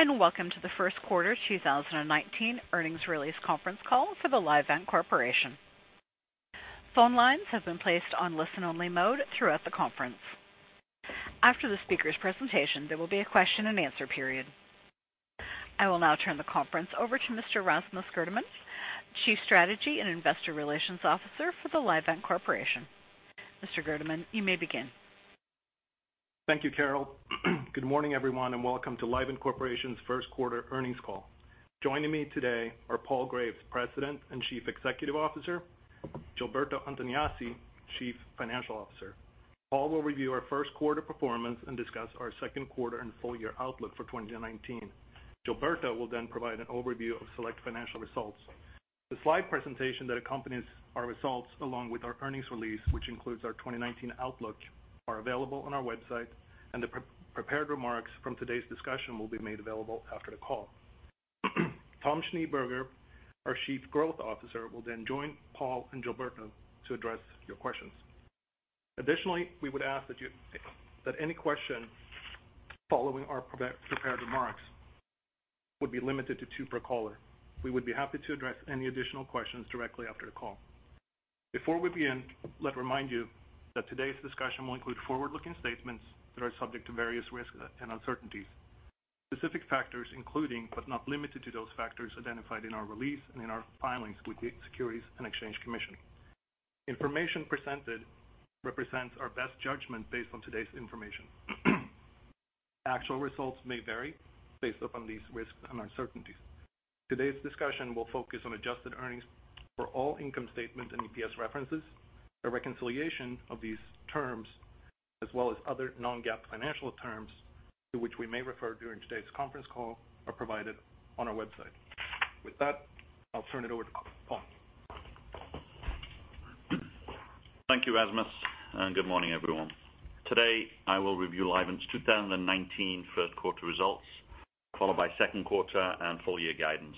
Good morning, welcome to the first quarter 2019 earnings release conference call for Livent Corporation. Phone lines have been placed on listen-only mode throughout the conference. After the speaker's presentation, there will be a question and answer period. I will now turn the conference over to Mr. Rasmus Gerdeman, Chief Strategy and Investor Relations Officer for Livent Corporation. Mr. Gerdeman, you may begin. Thank you, Carol. Good morning, everyone, welcome to Livent Corporation's first quarter earnings call. Joining me today are Paul Graves, President and Chief Executive Officer, Gilberto Antognazzi, Chief Financial Officer. Paul will review our first quarter performance and discuss our second quarter and full year outlook for 2019. Gilberto will provide an overview of select financial results. The slide presentation that accompanies our results along with our earnings release, which includes our 2019 outlook, are available on our website. The prepared remarks from today's discussion will be made available after the call. Tom Schneeberger, our Chief Growth Officer, will join Paul and Gilberto to address your questions. We would ask that any question following our prepared remarks would be limited to two per caller. We would be happy to address any additional questions directly after the call. Before we begin, let me remind you that today's discussion will include forward-looking statements that are subject to various risks and uncertainties. Specific factors including, but not limited to those factors identified in our release and in our filings with the Securities and Exchange Commission. Information presented represents our best judgment based on today's information. Actual results may vary based upon these risks and uncertainties. Today's discussion will focus on adjusted earnings for all income statement and EPS references. A reconciliation of these terms, as well as other non-GAAP financial terms to which we may refer during today's conference call, are provided on our website. I'll turn it over to Paul. Thank you, Rasmus. Good morning, everyone. Today, I will review Livent's 2019 first quarter results, followed by second quarter and full year guidance.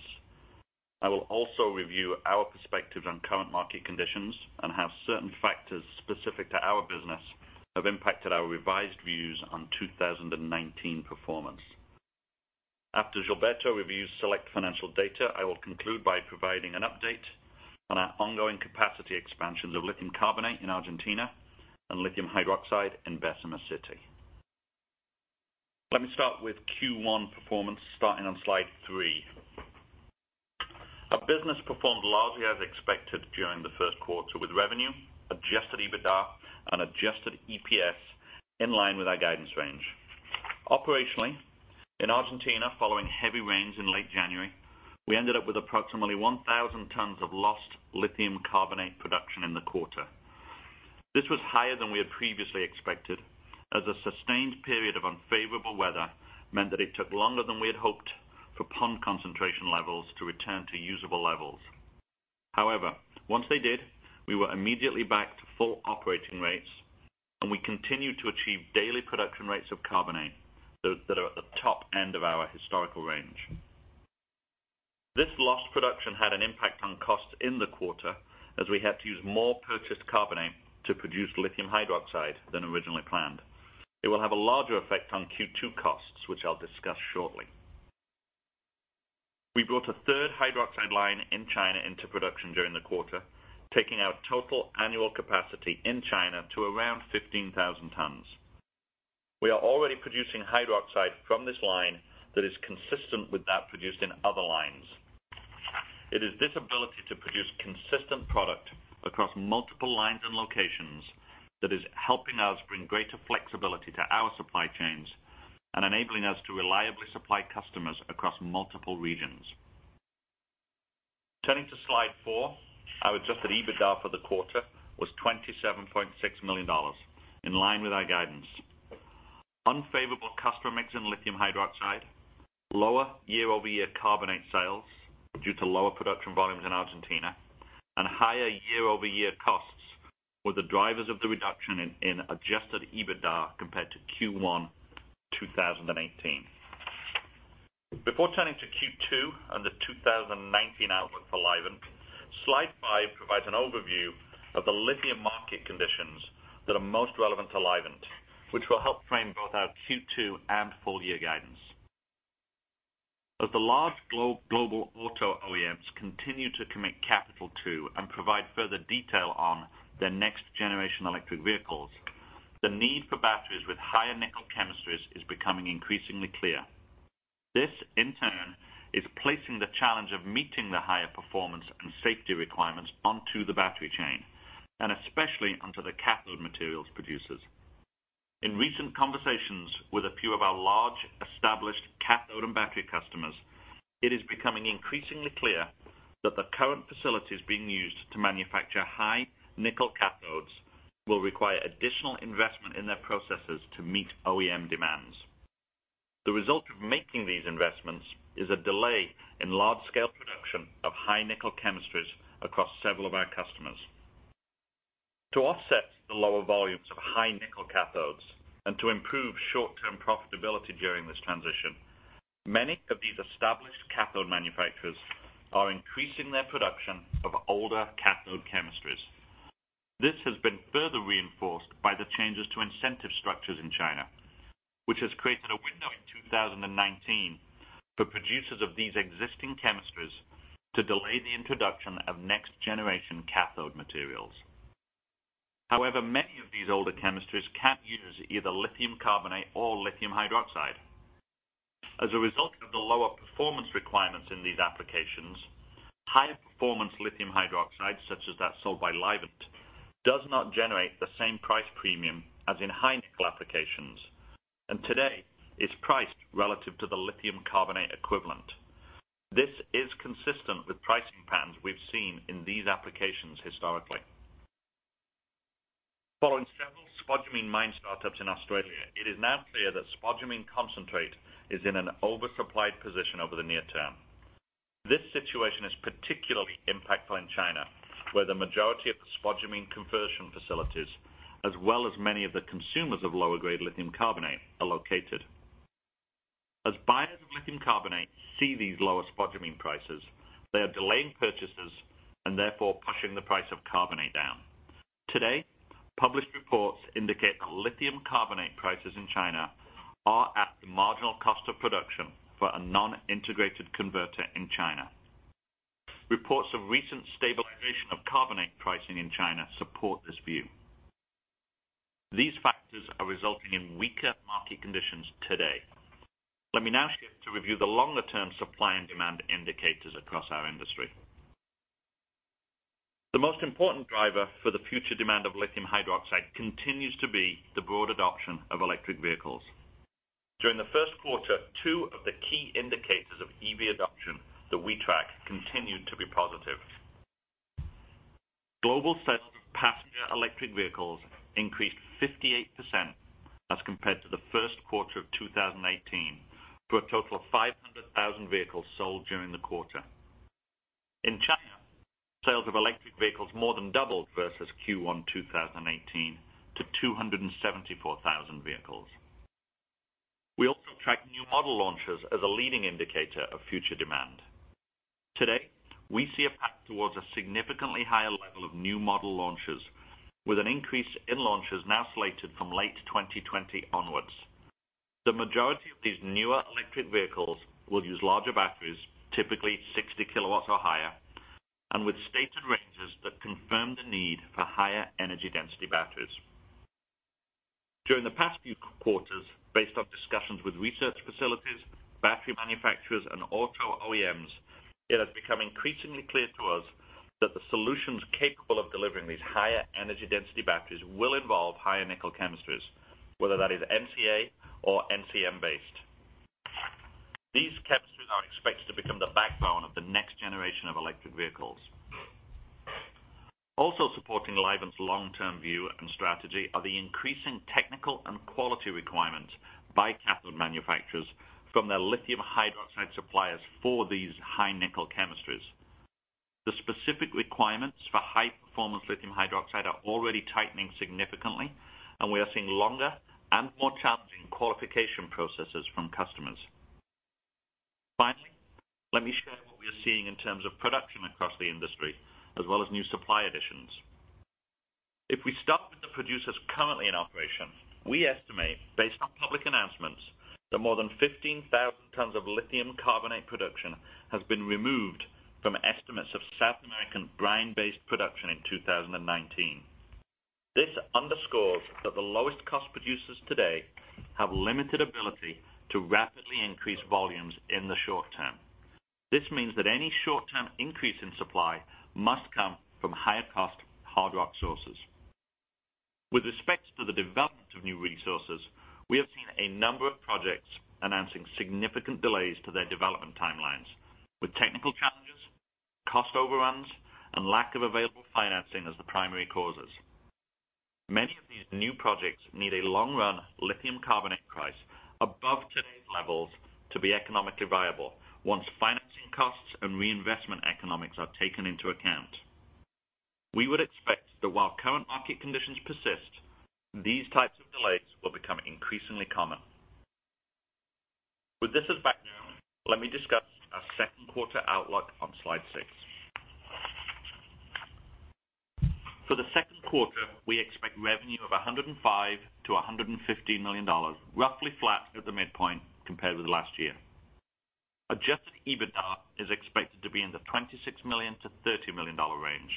I will also review our perspectives on current market conditions and how certain factors specific to our business have impacted our revised views on 2019 performance. After Gilberto reviews select financial data, I will conclude by providing an update on our ongoing capacity expansions of lithium carbonate in Argentina and lithium hydroxide in Bessemer City. Let me start with Q1 performance, starting on slide three. Our business performed largely as expected during the first quarter, with revenue, adjusted EBITDA, adjusted EPS in line with our guidance range. Operationally, in Argentina, following heavy rains in late January, we ended up with approximately 1,000 tons of lost lithium carbonate production in the quarter. This was higher than we had previously expected, as a sustained period of unfavorable weather meant that it took longer than we had hoped for pond concentration levels to return to usable levels. However, once they did, we were immediately back to full operating rates, and we continued to achieve daily production rates of carbonate that are at the top end of our historical range. This lost production had an impact on cost in the quarter, as we had to use more purchased carbonate to produce lithium hydroxide than originally planned. It will have a larger effect on Q2 costs, which I'll discuss shortly. We brought a third hydroxide line in China into production during the quarter, taking our total annual capacity in China to around 15,000 tons. We are already producing hydroxide from this line that is consistent with that produced in other lines. It is this ability to produce consistent product across multiple lines and locations that is helping us bring greater flexibility to our supply chains and enabling us to reliably supply customers across multiple regions. Turning to slide four, our adjusted EBITDA for the quarter was $27.6 million, in line with our guidance. Unfavorable customer mix in lithium hydroxide, lower year-over-year carbonate sales due to lower production volumes in Argentina, and higher year-over-year costs were the drivers of the reduction in adjusted EBITDA compared to Q1 2018. Before turning to Q2 and the 2019 outlook for Livent, slide five provides an overview of the lithium market conditions that are most relevant to Livent, which will help frame both our Q2 and full year guidance. As the large global auto OEMs continue to commit capital to and provide further detail on their next generation electric vehicles, the need for batteries with higher nickel chemistries is becoming increasingly clear. This, in turn, is placing the challenge of meeting the higher performance and safety requirements onto the battery chain, and especially onto the cathode materials producers. In recent conversations with a few of our large established cathode and battery customers, it is becoming increasingly clear that the current facilities being used to manufacture high nickel cathodes will require additional investment in their processes to meet OEM demands. The result of making these investments is a delay in large scale production of high nickel chemistries across several of our customers. To offset the lower volumes of high nickel cathodes and to improve short-term profitability during this transition, many of these established cathode manufacturers are increasing their production of older cathode chemistries. This has been changes to incentive structures in China, which has created a window in 2019 for producers of these existing chemistries to delay the introduction of next generation cathode materials. However, many of these older chemistries can't use either lithium carbonate or lithium hydroxide. As a result of the lower performance requirements in these applications, high-performance lithium hydroxide, such as that sold by Livent, does not generate the same price premium as in high nickel applications, and today is priced relative to the lithium carbonate equivalent. This is consistent with pricing patterns we've seen in these applications historically. Following several spodumene mine startups in Australia, it is now clear that spodumene concentrate is in an oversupplied position over the near term. This situation is particularly impactful in China, where the majority of the spodumene conversion facilities, as well as many of the consumers of lower grade lithium carbonate, are located. As buyers of lithium carbonate see these lower spodumene prices, they are delaying purchases and therefore pushing the price of carbonate down. Today, published reports indicate that lithium carbonate prices in China are at the marginal cost of production for a non-integrated converter in China. Reports of recent stabilization of carbonate pricing in China support this view. These factors are resulting in weaker market conditions today. Let me now shift to review the longer-term supply and demand indicators across our industry. The most important driver for the future demand of lithium hydroxide continues to be the broad adoption of electric vehicles. During the first quarter, two of the key indicators of EV adoption that we track continued to be positive. Global sales of passenger electric vehicles increased 58% as compared to the first quarter of 2018, to a total of 500,000 vehicles sold during the quarter. In China, sales of electric vehicles more than doubled versus Q1 2018 to 274,000 vehicles. We also track new model launches as a leading indicator of future demand. Today, we see a path towards a significantly higher level of new model launches with an increase in launches now slated from late 2020 onwards. The majority of these newer electric vehicles will use larger batteries, typically 60 kW or higher, and with stated ranges that confirm the need for higher energy density batteries. During the past few quarters, based on discussions with research facilities, battery manufacturers, and auto OEMs, it has become increasingly clear to us that the solutions capable of delivering these higher energy density batteries will involve higher nickel chemistries, whether that is NCA or NCM-based. These chemistries are expected to become the backbone of the next generation of electric vehicles. Also supporting Livent's long-term view and strategy are the increasing technical and quality requirements by cathode manufacturers from their lithium hydroxide suppliers for these high nickel chemistries. The specific requirements for high-performance lithium hydroxide are already tightening significantly, and we are seeing longer and more challenging qualification processes from customers. Finally, let me share what we are seeing in terms of production across the industry, as well as new supply additions. If we start with the producers currently in operation, we estimate, based on public announcements, that more than 15,000 tons of lithium carbonate production has been removed from estimates of South American brine-based production in 2019. This underscores that the lowest cost producers today have limited ability to rapidly increase volumes in the short term. This means that any short-term increase in supply must come from higher cost hard rock sources. With respects to the development of new resources, we have seen a number of projects announcing significant delays to their development timelines, with technical challenges, cost overruns, and lack of available financing as the primary causes. Many of these new projects need a long run lithium carbonate price above today's levels to be economically viable once financing costs and reinvestment economics are taken into account. We would expect that while current market conditions persist, these types of delays will become increasingly common. With this as background, let me discuss our second quarter outlook on slide six. For the second quarter, we expect revenue of $105 million-$115 million, roughly flat at the midpoint compared with last year. Adjusted EBITDA is expected to be in the $26 million-$30 million range.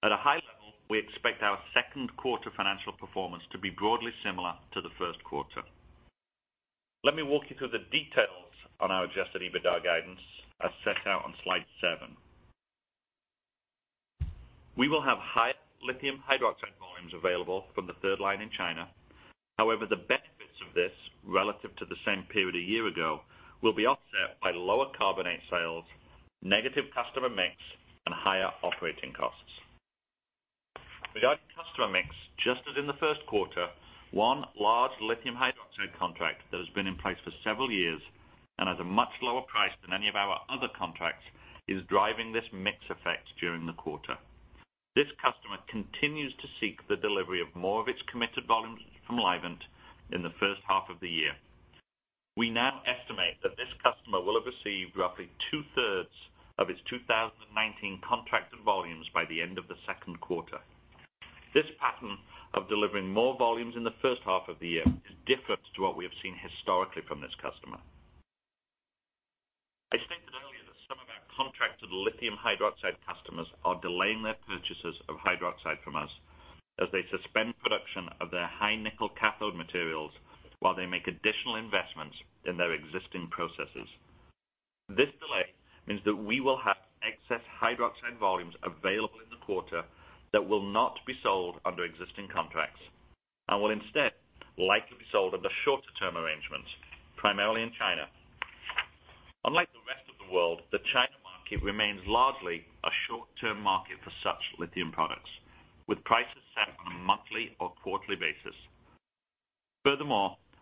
At a high level, we expect our second quarter financial performance to be broadly similar to the first quarter. Let me walk you through the details on our adjusted EBITDA guidance as set out on slide seven. We will have higher lithium hydroxide volumes available from the third line in China. The benefits of this relative to the same period a year ago will be offset by lower lithium carbonate sales, negative customer mix, and higher operating costs. Regarding customer mix, just as in the first quarter, one large lithium hydroxide contract that has been in place for several years and has a much lower price than any of our other contracts is driving this mix effect during the quarter. This customer continues to seek the delivery of more of its committed volumes from Livent in the first half of the year. We now estimate roughly two-thirds of its 2019 contracted volumes by the end of the second quarter. This pattern of delivering more volumes in the first half of the year is different to what we have seen historically from this customer. I stated earlier that some of our contracted lithium hydroxide customers are delaying their purchases of hydroxide from us as they suspend production of their high nickel cathode materials while they make additional investments in their existing processes. This delay means that we will have excess hydroxide volumes available in the quarter that will not be sold under existing contracts and will instead likely be sold under shorter-term arrangements, primarily in China. Unlike the rest of the world, the China market remains largely a short-term market for such lithium products, with prices set on a monthly or quarterly basis.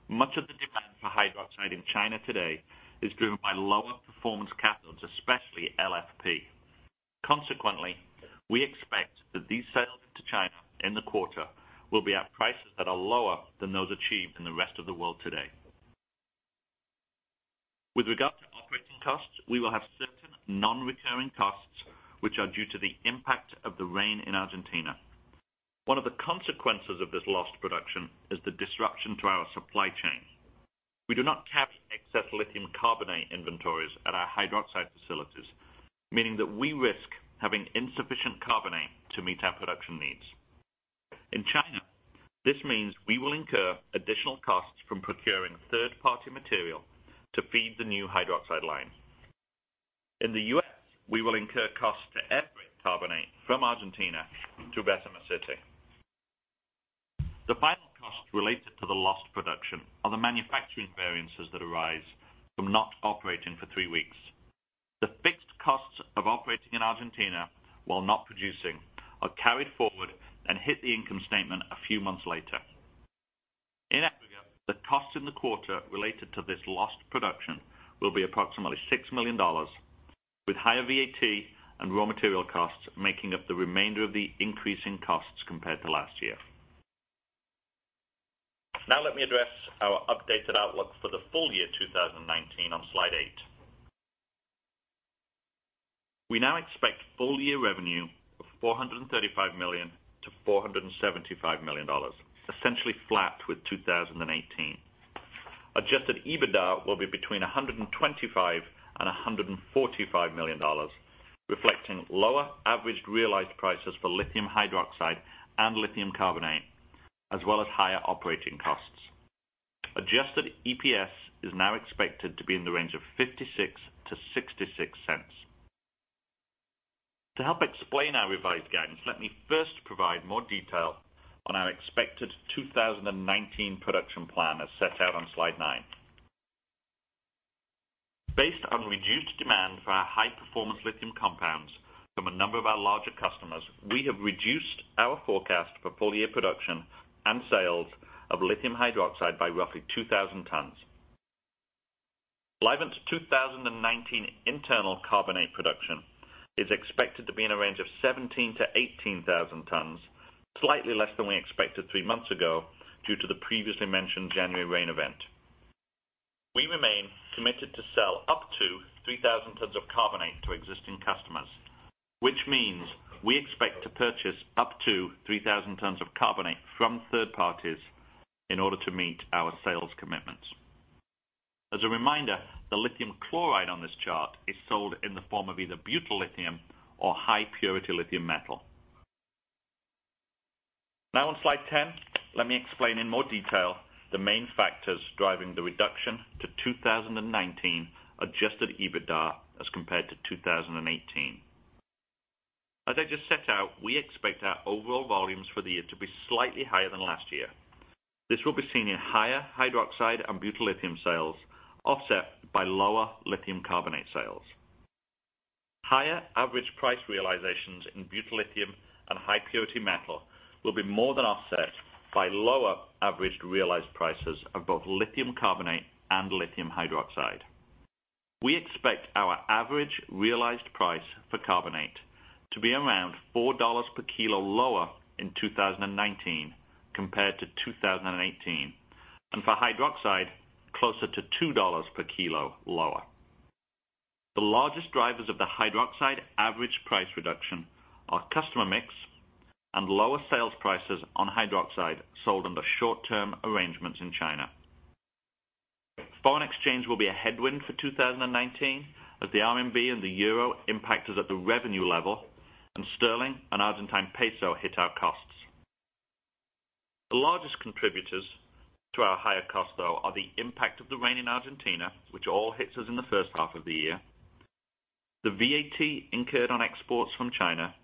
Much of the demand for hydroxide in China today is driven by lower performance cathodes, especially LFP. We expect that these sales into China in the quarter will be at prices that are lower than those achieved in the rest of the world today. With regard to operating costs, we will have certain non-recurring costs which are due to the impact of the rain in Argentina. One of the consequences of this lost production is the disruption to our supply chain. We do not carry excess lithium carbonate inventories at our hydroxide facilities, meaning that we risk having insufficient carbonate to meet our production needs. In China, this means we will incur additional costs from procuring third-party material to feed the new hydroxide line. In the U.S., we will incur costs to air freight carbonate from Argentina to Bessemer City. The final costs related to the lost production are the manufacturing variances that arise from not operating for three weeks. The fixed costs of operating in Argentina while not producing are carried forward and hit the income statement a few months later. In aggregate, the cost in the quarter related to this lost production will be approximately $6 million, with higher VAT and raw material costs making up the remainder of the increase in costs compared to last year. Let me address our updated outlook for the full year 2019 on slide eight. We now expect full-year revenue of $435 million-$475 million, essentially flat with 2018. Adjusted EBITDA will be between $125 million and $145 million, reflecting lower averaged realized prices for lithium hydroxide and lithium carbonate, as well as higher operating costs. Adjusted EPS is now expected to be in the range of $0.56-$0.66. To help explain our revised guidance, let me first provide more detail on our expected 2019 production plan as set out on slide nine. Based on reduced demand for our high-performance lithium compounds from a number of our larger customers, we have reduced our forecast for full year production and sales of lithium hydroxide by roughly 2,000 tons. Livent's 2019 internal carbonate production is expected to be in a range of 17,000-18,000 tons, slightly less than we expected three months ago due to the previously mentioned January rain event. We remain committed to sell up to 3,000 tons of carbonate to existing customers. Which means we expect to purchase up to 3,000 tons of carbonate from third parties in order to meet our sales commitments. As a reminder, the lithium chloride on this chart is sold in the form of either butyl lithium or high-purity lithium metal. On slide 10, let me explain in more detail the main factors driving the reduction to 2019 adjusted EBITDA as compared to 2018. This will be seen in higher hydroxide and butyl lithium sales, offset by lower lithium carbonate sales. Higher average price realizations in butyl lithium and high-purity metal will be more than offset by lower averaged realized prices of both lithium carbonate and lithium hydroxide. We expect our average realized price for carbonate to be around $4 per kilo lower in 2019 compared to 2018, and for hydroxide, closer to $2 per kilo lower. The largest drivers of the hydroxide average price reduction are customer mix and lower sales prices on hydroxide sold under short-term arrangements in China. Foreign exchange will be a headwind for 2019 as the RMB and the EUR impact us at the revenue level, and GBP and ARS hit our costs. The largest contributors to our higher cost, though, are the impact of the rain in Argentina, which all hits us in the first half of the year, the VAT incurred on exports from China,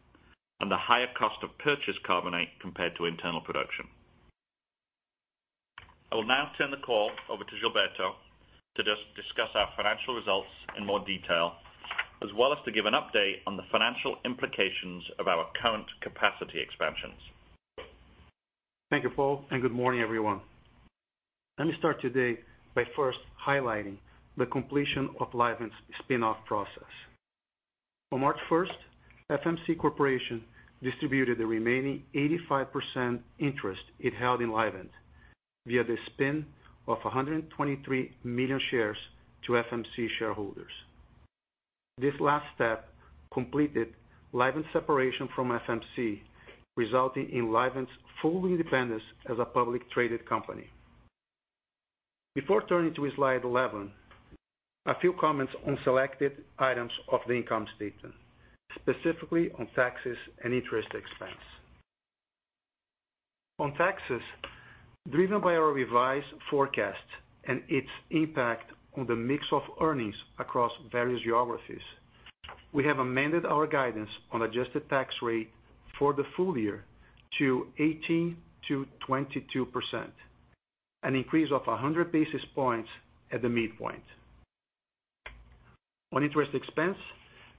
and the higher cost of purchased carbonate compared to internal production. I will now turn the call over to Gilberto to discuss our financial results in more detail, as well as to give an update on the financial implications of our current capacity expansions. Thank you, Paul, and good morning, everyone. Let me start today by first highlighting the completion of Livent's spin-off process. On March 1st, FMC Corporation distributed the remaining 85% interest it held in Livent via the spin of 123 million shares to FMC shareholders. This last step completed Livent's separation from FMC, resulting in Livent's full independence as a public traded company. Before turning to slide 11, a few comments on selected items of the income statement, specifically on taxes and interest expense. On taxes, driven by our revised forecast and its impact on the mix of earnings across various geographies, we have amended our guidance on adjusted tax rate for the full year to 18%-22%, an increase of 100 basis points at the midpoint. On interest expense,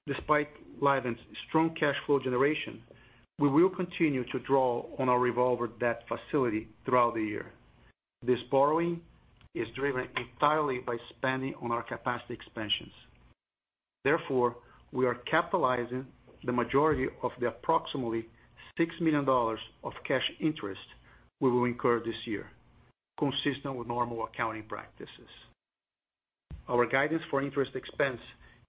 despite Livent's strong cash flow generation, we will continue to draw on our revolver debt facility throughout the year. This borrowing is driven entirely by spending on our capacity expansions. Therefore, we are capitalizing the majority of the approximately $6 million of cash interest we will incur this year, consistent with normal accounting practices. Our guidance for interest expense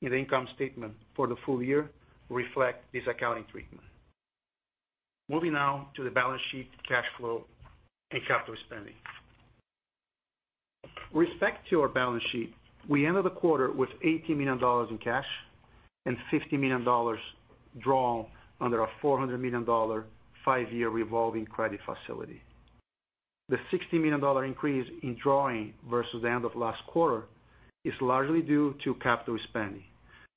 in the income statement for the full year reflects this accounting treatment. Moving now to the balance sheet, cash flow, and capital spending. With respect to our balance sheet, we ended the quarter with $80 million in cash and $50 million drawn under our $400 million, five-year revolving credit facility. The $60 million increase in drawing versus the end of last quarter is largely due to capital spending,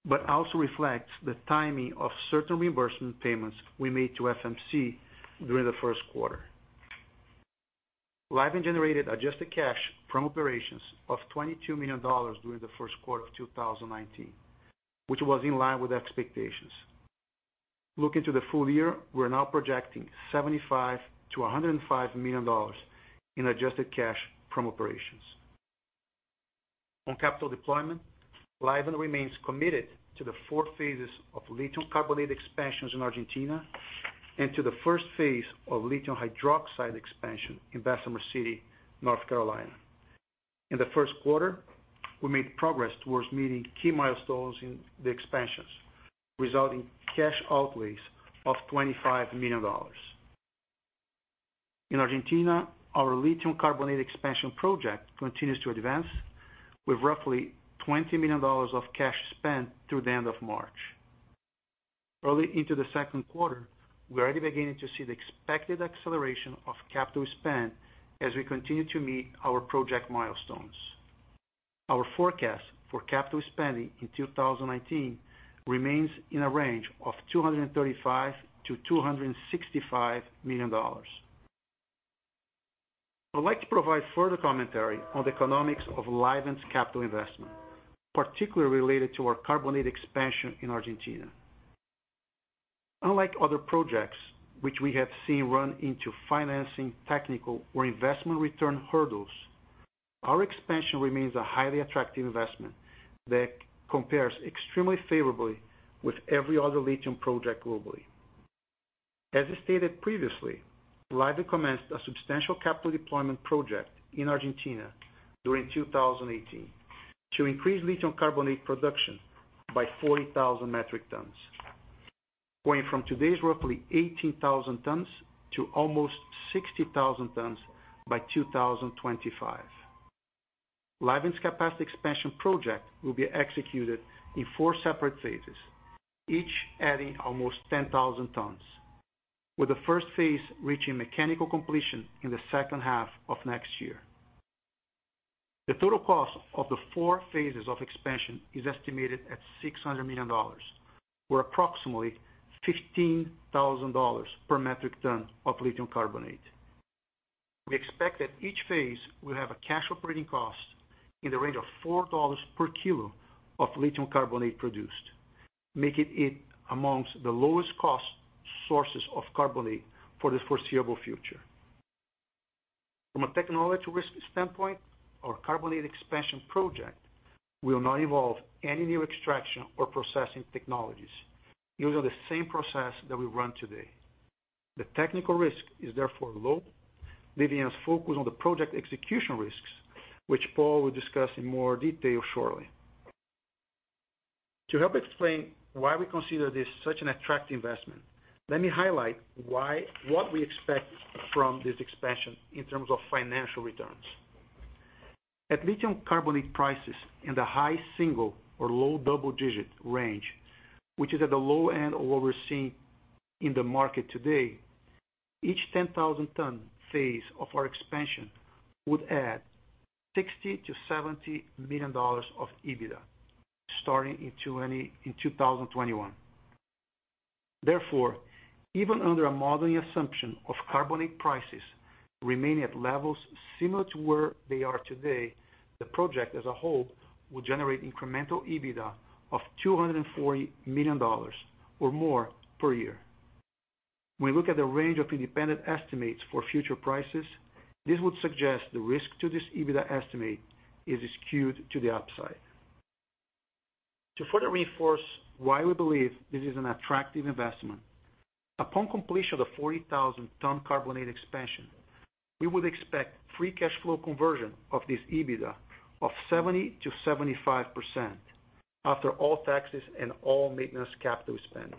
but also reflects the timing of certain reimbursement payments we made to FMC during the first quarter. Livent generated adjusted cash from operations of $22 million during the first quarter of 2019, which was in line with expectations. Looking to the full year, we're now projecting $75 million-$105 million in adjusted cash from operations. On capital deployment, Livent remains committed to the 4 phases of lithium carbonate expansions in Argentina and to the first phase of lithium hydroxide expansion in Bessemer City, North Carolina. In the first quarter, we made progress towards meeting key milestones in the expansions, resulting cash outlays of $25 million. In Argentina, our lithium carbonate expansion project continues to advance with roughly $20 million of cash spent through the end of March. Early into the second quarter, we're already beginning to see the expected acceleration of capital spend as we continue to meet our project milestones. Our forecast for capital spending in 2019 remains in a range of $235 million-$265 million. I would like to provide further commentary on the economics of Livent's capital investment, particularly related to our carbonate expansion in Argentina. Unlike other projects which we have seen run into financing, technical, or investment return hurdles, our expansion remains a highly attractive investment that compares extremely favorably with every other lithium project globally. As stated previously, Livent commenced a substantial capital deployment project in Argentina during 2018 to increase lithium carbonate production by 40,000 metric tons, going from today's roughly 18,000 tons to almost 60,000 tons by 2025. Livent's capacity expansion project will be executed in 4 separate phases, each adding almost 10,000 tons, with the first phase reaching mechanical completion in the second half of next year. The total cost of the 4 phases of expansion is estimated at $600 million, or approximately $15,000 per metric ton of lithium carbonate. We expect that each phase will have a cash operating cost in the range of $4 per kilo of lithium carbonate produced, making it amongst the lowest cost sources of carbonate for the foreseeable future. From a technology risk standpoint, our carbonate expansion project will not involve any new extraction or processing technologies, using the same process that we run today. The technical risk is therefore low, leaving us focused on the project execution risks, which Paul will discuss in more detail shortly. To help explain why we consider this such an attractive investment, let me highlight what we expect from this expansion in terms of financial returns. At lithium carbonate prices in the high single or low double-digit range, which is at the low end of what we're seeing in the market today, each 10,000 ton phase of our expansion would add $60 million-$70 million of EBITDA starting in 2021. Even under a modeling assumption of carbonate prices remaining at levels similar to where they are today, the project as a whole will generate incremental EBITDA of $240 million or more per year. We look at the range of independent estimates for future prices, this would suggest the risk to this EBITDA estimate is skewed to the upside. To further reinforce why we believe this is an attractive investment, upon completion of the 40,000 ton carbonate expansion, we would expect free cash flow conversion of this EBITDA of 70%-75% after all taxes and all maintenance capital spend.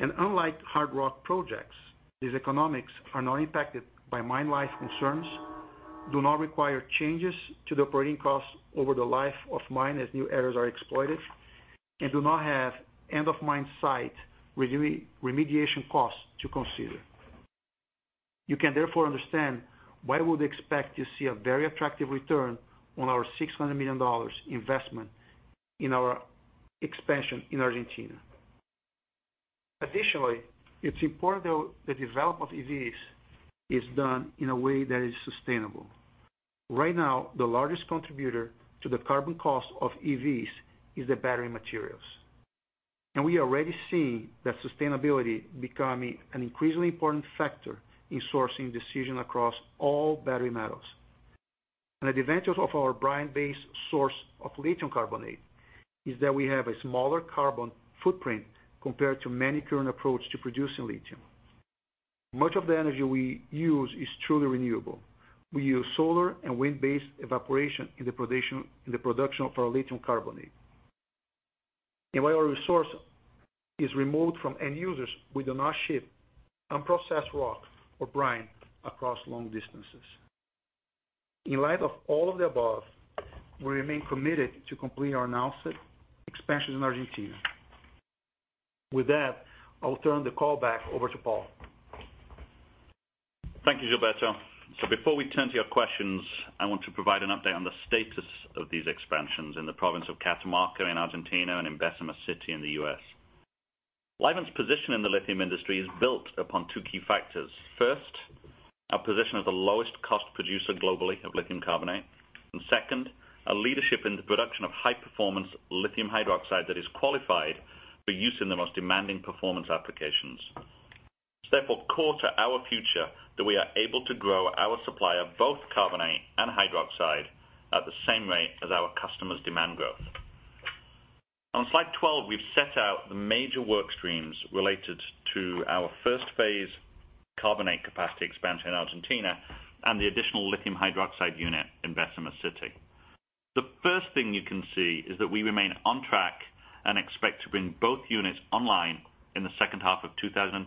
Unlike hard rock projects, these economics are not impacted by mine life concerns, do not require changes to the operating costs over the life of mine as new areas are exploited, and do not have end of mine site remediation costs to consider. You can therefore understand why we would expect to see a very attractive return on our $600 million investment in our expansion in Argentina. Additionally, it's important the development of EVs is done in a way that is sustainable. Right now, the largest contributor to the carbon cost of EVs is the battery materials. We are already seeing that sustainability becoming an increasingly important factor in sourcing decision across all battery metals. An advantage of our brine-based source of lithium carbonate is that we have a smaller carbon footprint compared to many current approaches to producing lithium. Much of the energy we use is truly renewable. We use solar and wind-based evaporation in the production of our lithium carbonate. While our resource is remote from end users, we do not ship unprocessed rock or brine across long distances. In light of all of the above, we remain committed to completing our announced expansion in Argentina. With that, I'll turn the call back over to Paul. Thank you, Gilberto. Before we turn to your questions, I want to provide an update on the status of these expansions in the province of Catamarca in Argentina and in Bessemer City in the U.S. Livent's position in the lithium industry is built upon two key factors. First, our position as the lowest cost producer globally of lithium carbonate, and second, our leadership in the production of high-performance lithium hydroxide that is qualified for use in the most demanding performance applications. It's therefore core to our future that we are able to grow our supply of both carbonate and hydroxide at the same rate as our customers' demand growth. On slide 12, we've set out the major work streams related to our first phase carbonate capacity expansion in Argentina and the additional lithium hydroxide unit in Bessemer City. The first thing you can see is that we remain on track and expect to bring both units online in the second half of 2020,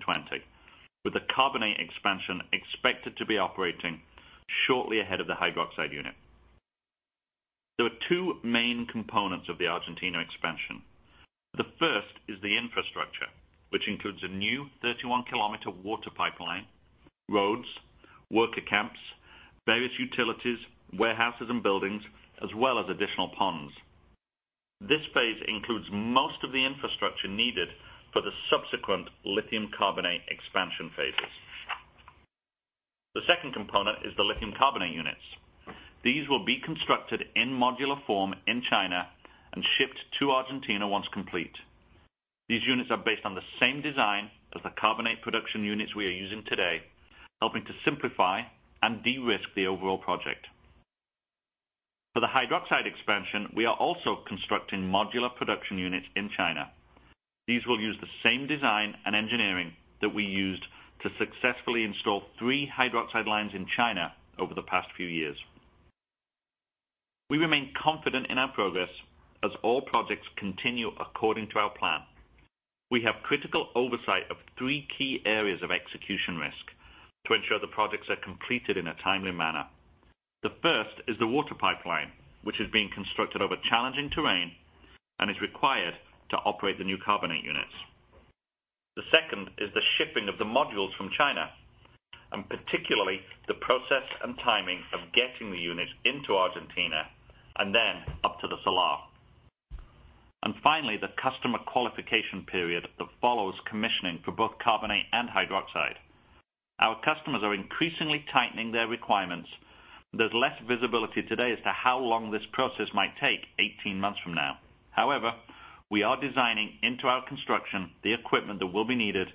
with the carbonate expansion expected to be operating shortly ahead of the hydroxide unit. There are two main components of the Argentina expansion. The first is the infrastructure, which includes a new 31 km water pipeline, roads, worker camps, various utilities, warehouses, and buildings, as well as additional ponds. This phase includes most of the infrastructure needed for the subsequent lithium carbonate expansion phases. The second component is the lithium carbonate units. These will be constructed in modular form in China and shipped to Argentina once complete. These units are based on the same design as the carbonate production units we are using today, helping to simplify and de-risk the overall project. For the hydroxide expansion, we are also constructing modular production units in China. These will use the same design and engineering that we used to successfully install three hydroxide lines in China over the past few years. We remain confident in our progress as all projects continue according to our plan. We have critical oversight of three key areas of execution risk to ensure the projects are completed in a timely manner. The first is the water pipeline, which is being constructed over challenging terrain and is required to operate the new carbonate units. The second is the shipping of the modules from China, and particularly the process and timing of getting the units into Argentina and then up to the Salar. Finally, the customer qualification period that follows commissioning for both carbonate and hydroxide. Our customers are increasingly tightening their requirements. There's less visibility today as to how long this process might take 18 months from now. However, we are designing into our construction the equipment that will be needed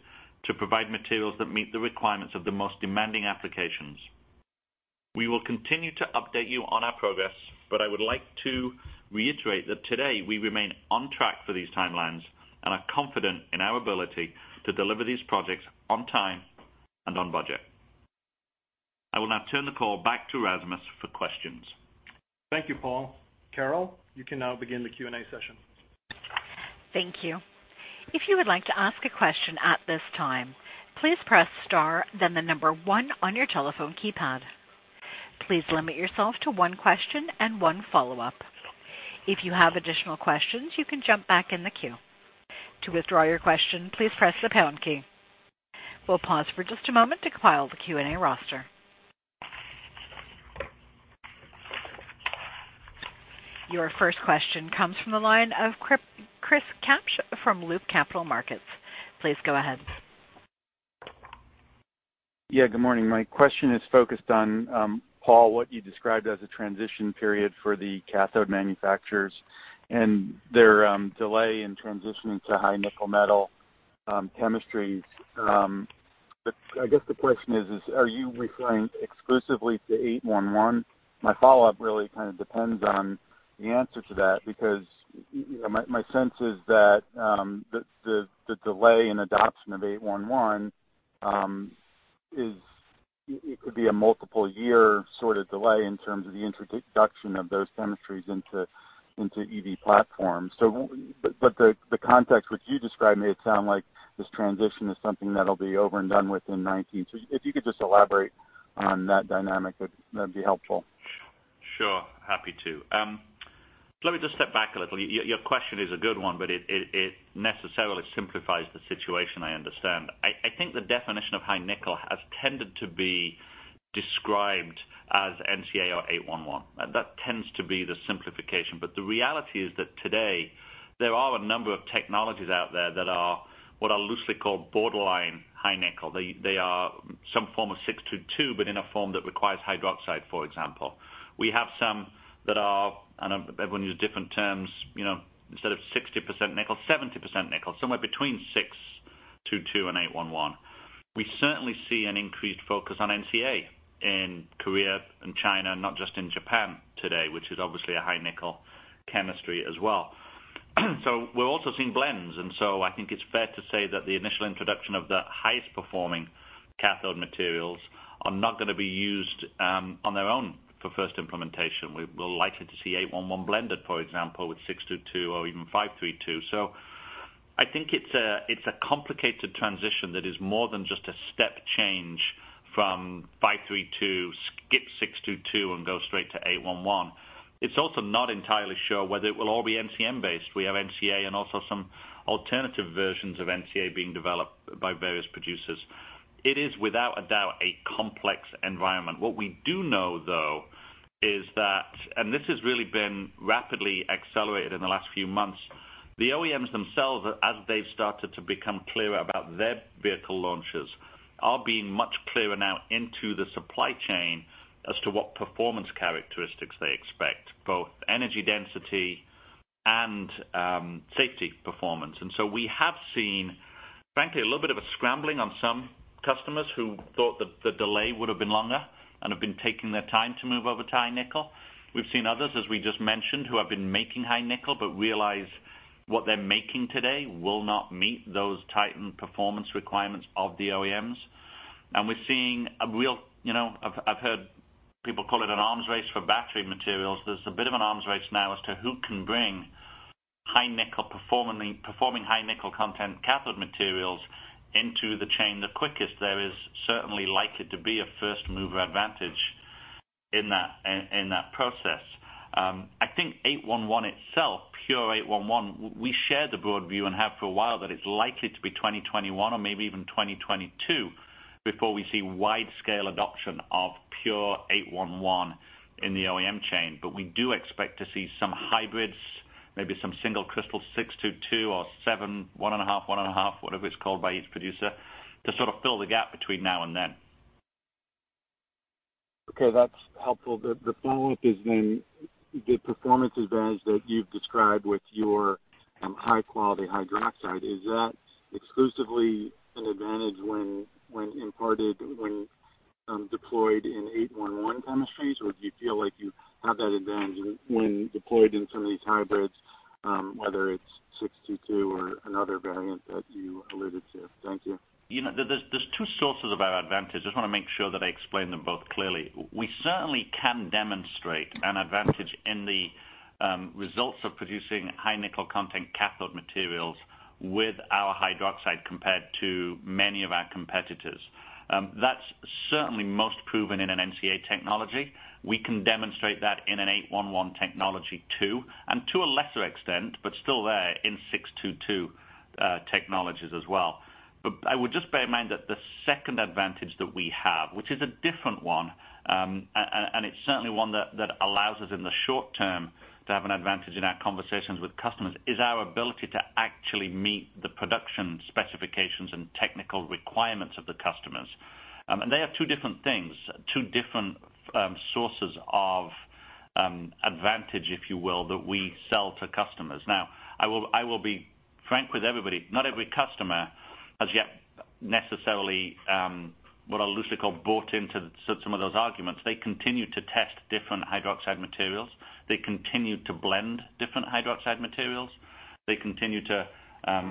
to provide materials that meet the requirements of the most demanding applications. We will continue to update you on our progress, I would like to reiterate that today we remain on track for these timelines and are confident in our ability to deliver these projects on time and on budget. I will now turn the call back to Rasmus for questions. Thank you, Paul. Carol, you can now begin the Q&A session. Thank you. If you would like to ask a question at this time, please press star then the number one on your telephone keypad. Please limit yourself to one question and one follow-up. If you have additional questions, you can jump back in the queue. To withdraw your question, please press the pound key. We will pause for just a moment to compile the Q&A roster. Your first question comes from the line of Chris Kapsch from Loop Capital Markets. Please go ahead. Yeah, good morning. My question is focused on, Paul, what you described as a transition period for the cathode manufacturers and their delay in transitioning to high nickel metal chemistries. I guess the question is, are you referring exclusively to 811? My follow-up really kind of depends on the answer to that, because my sense is that the delay in adoption of 811, it could be a multiple year sort of delay in terms of the introduction of those chemistries into EV platforms. The context which you describe made it sound like this transition is something that will be over and done with in 2019. If you could just elaborate on that dynamic, that would be helpful. Sure, happy to. Let me just step back a little. Your question is a good one, it necessarily simplifies the situation, I understand. I think the definition of high nickel has tended to be described as NCA or 811. That tends to be the simplification. The reality is that today there are a number of technologies out there that are what are loosely called borderline high nickel. They are some form of 622, but in a form that requires hydroxide, for example. We have some that are, everyone use different terms, instead of 60% nickel, 70% nickel, somewhere between 622 and 811. We certainly see an increased focus on NCA in Korea and China, not just in Japan today, which is obviously a high nickel chemistry as well. We're also seeing blends. I think it's fair to say that the initial introduction of the highest performing cathode materials are not going to be used on their own for first implementation. We're likely to see 811 blended, for example, with 622 or even 532. I think it's a complicated transition that is more than just a step change from 532, skip 622 and go straight to 811. It's also not entirely sure whether it will all be NCM based. We have NCA and also some alternative versions of NCA being developed by various producers. It is without a doubt a complex environment. What we do know, though, is that this has really been rapidly accelerated in the last few months, the OEMs themselves, as they've started to become clearer about their vehicle launches, are being much clearer now into the supply chain as to what performance characteristics they expect, both energy density and safety performance. We have seen, frankly, a little bit of a scrambling on some customers who thought that the delay would've been longer and have been taking their time to move over to high nickel. We've seen others, as we just mentioned, who have been making high nickel, but realize what they're making today will not meet those tightened performance requirements of the OEMs. We're seeing a real, I've heard people call it an arms race for battery materials. There's a bit of an arms race now as to who can bring performing high nickel content cathode materials into the chain the quickest. There is certainly likely to be a first-mover advantage in that process. I think 811 itself, pure 811, we share the broad view and have for a while, that it's likely to be 2021 or maybe even 2022 before we see wide-scale adoption of pure 811 in the OEM chain. We do expect to see some hybrids, maybe some single crystal 622 or seven, one and a half, one and a half, whatever it's called by each producer, to sort of fill the gap between now and then. Okay, that's helpful. The follow-up is the performance advantage that you've described with your high-quality hydroxide, is that exclusively an advantage when deployed in 811 chemistries or do you feel like you have that advantage when deployed in some of these hybrids, whether it's 62 or another variant that you alluded to? Thank you. There's two sources of our advantage. I just want to make sure that I explain them both clearly. We certainly can demonstrate an advantage in the results of producing high nickel content cathode materials with our hydroxide compared to many of our competitors. That's certainly most proven in an NCA technology. We can demonstrate that in an 811 technology too, and to a lesser extent, but still there, in 622 technologies as well. But I would just bear in mind that the second advantage that we have, which is a different one, and it's certainly one that allows us in the short term to have an advantage in our conversations with customers, is our ability to actually meet the production specifications and technical requirements of the customers. And they are two different things, two different sources of advantage, if you will, that we sell to customers. Now, I will be frank with everybody. Not every customer has yet necessarily, what I'll loosely call bought into some of those arguments. They continue to test different hydroxide materials. They continue to blend different hydroxide materials. They continue to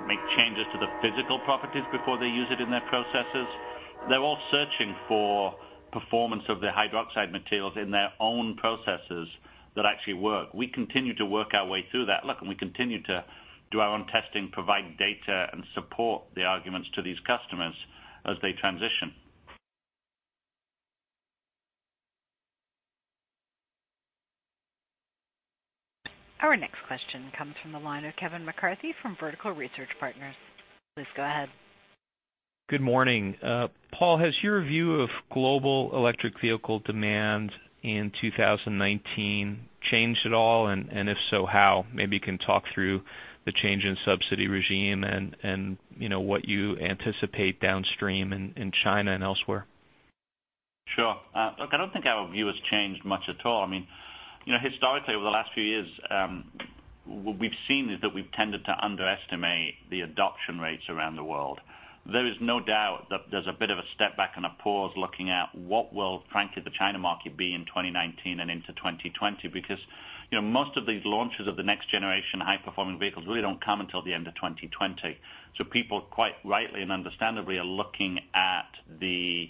make changes to the physical properties before they use it in their processes. They're all searching for performance of their hydroxide materials in their own processes that actually work. We continue to work our way through that. Look, we continue to do our own testing, provide data, and support the arguments to these customers as they transition. Our next question comes from the line of Kevin McCarthy from Vertical Research Partners. Please go ahead. Good morning. Paul, has your view of global electric vehicle demand in 2019 changed at all, and if so, how? Maybe you can talk through the change in subsidy regime and what you anticipate downstream in China and elsewhere. Sure. Look, I don't think our view has changed much at all. Historically, over the last few years, what we've seen is that we've tended to underestimate the adoption rates around the world. There is no doubt that there's a bit of a step back and a pause looking at what will, frankly, the China market be in 2019 and into 2020, because most of these launches of the next generation high-performing vehicles really don't come until the end of 2020. People, quite rightly and understandably, are looking at the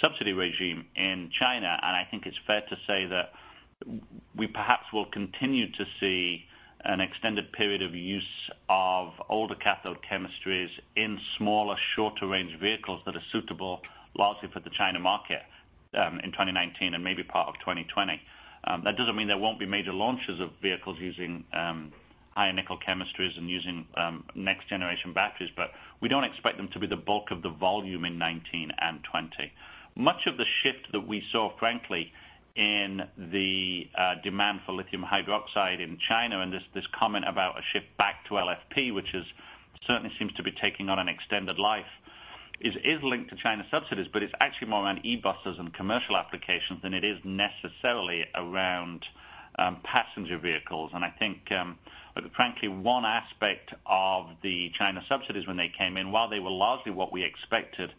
subsidy regime in China. I think it's fair to say that we perhaps will continue to see an extended period of use of older cathode chemistries in smaller, shorter range vehicles that are suitable largely for the China market in 2019 and maybe part of 2020. That doesn't mean there won't be major launches of vehicles using high nickel chemistries and using next generation batteries, but we don't expect them to be the bulk of the volume in 2019 and 2020. Much of the shift that we saw, frankly, in the demand for lithium hydroxide in China and this comment about a shift back to LFP, which certainly seems to be taking on an extended life, is linked to China subsidies, but it's actually more around e-buses and commercial applications than it is necessarily around passenger vehicles. I think, frankly, one aspect of the China subsidies when they came in, while they were largely what we expected,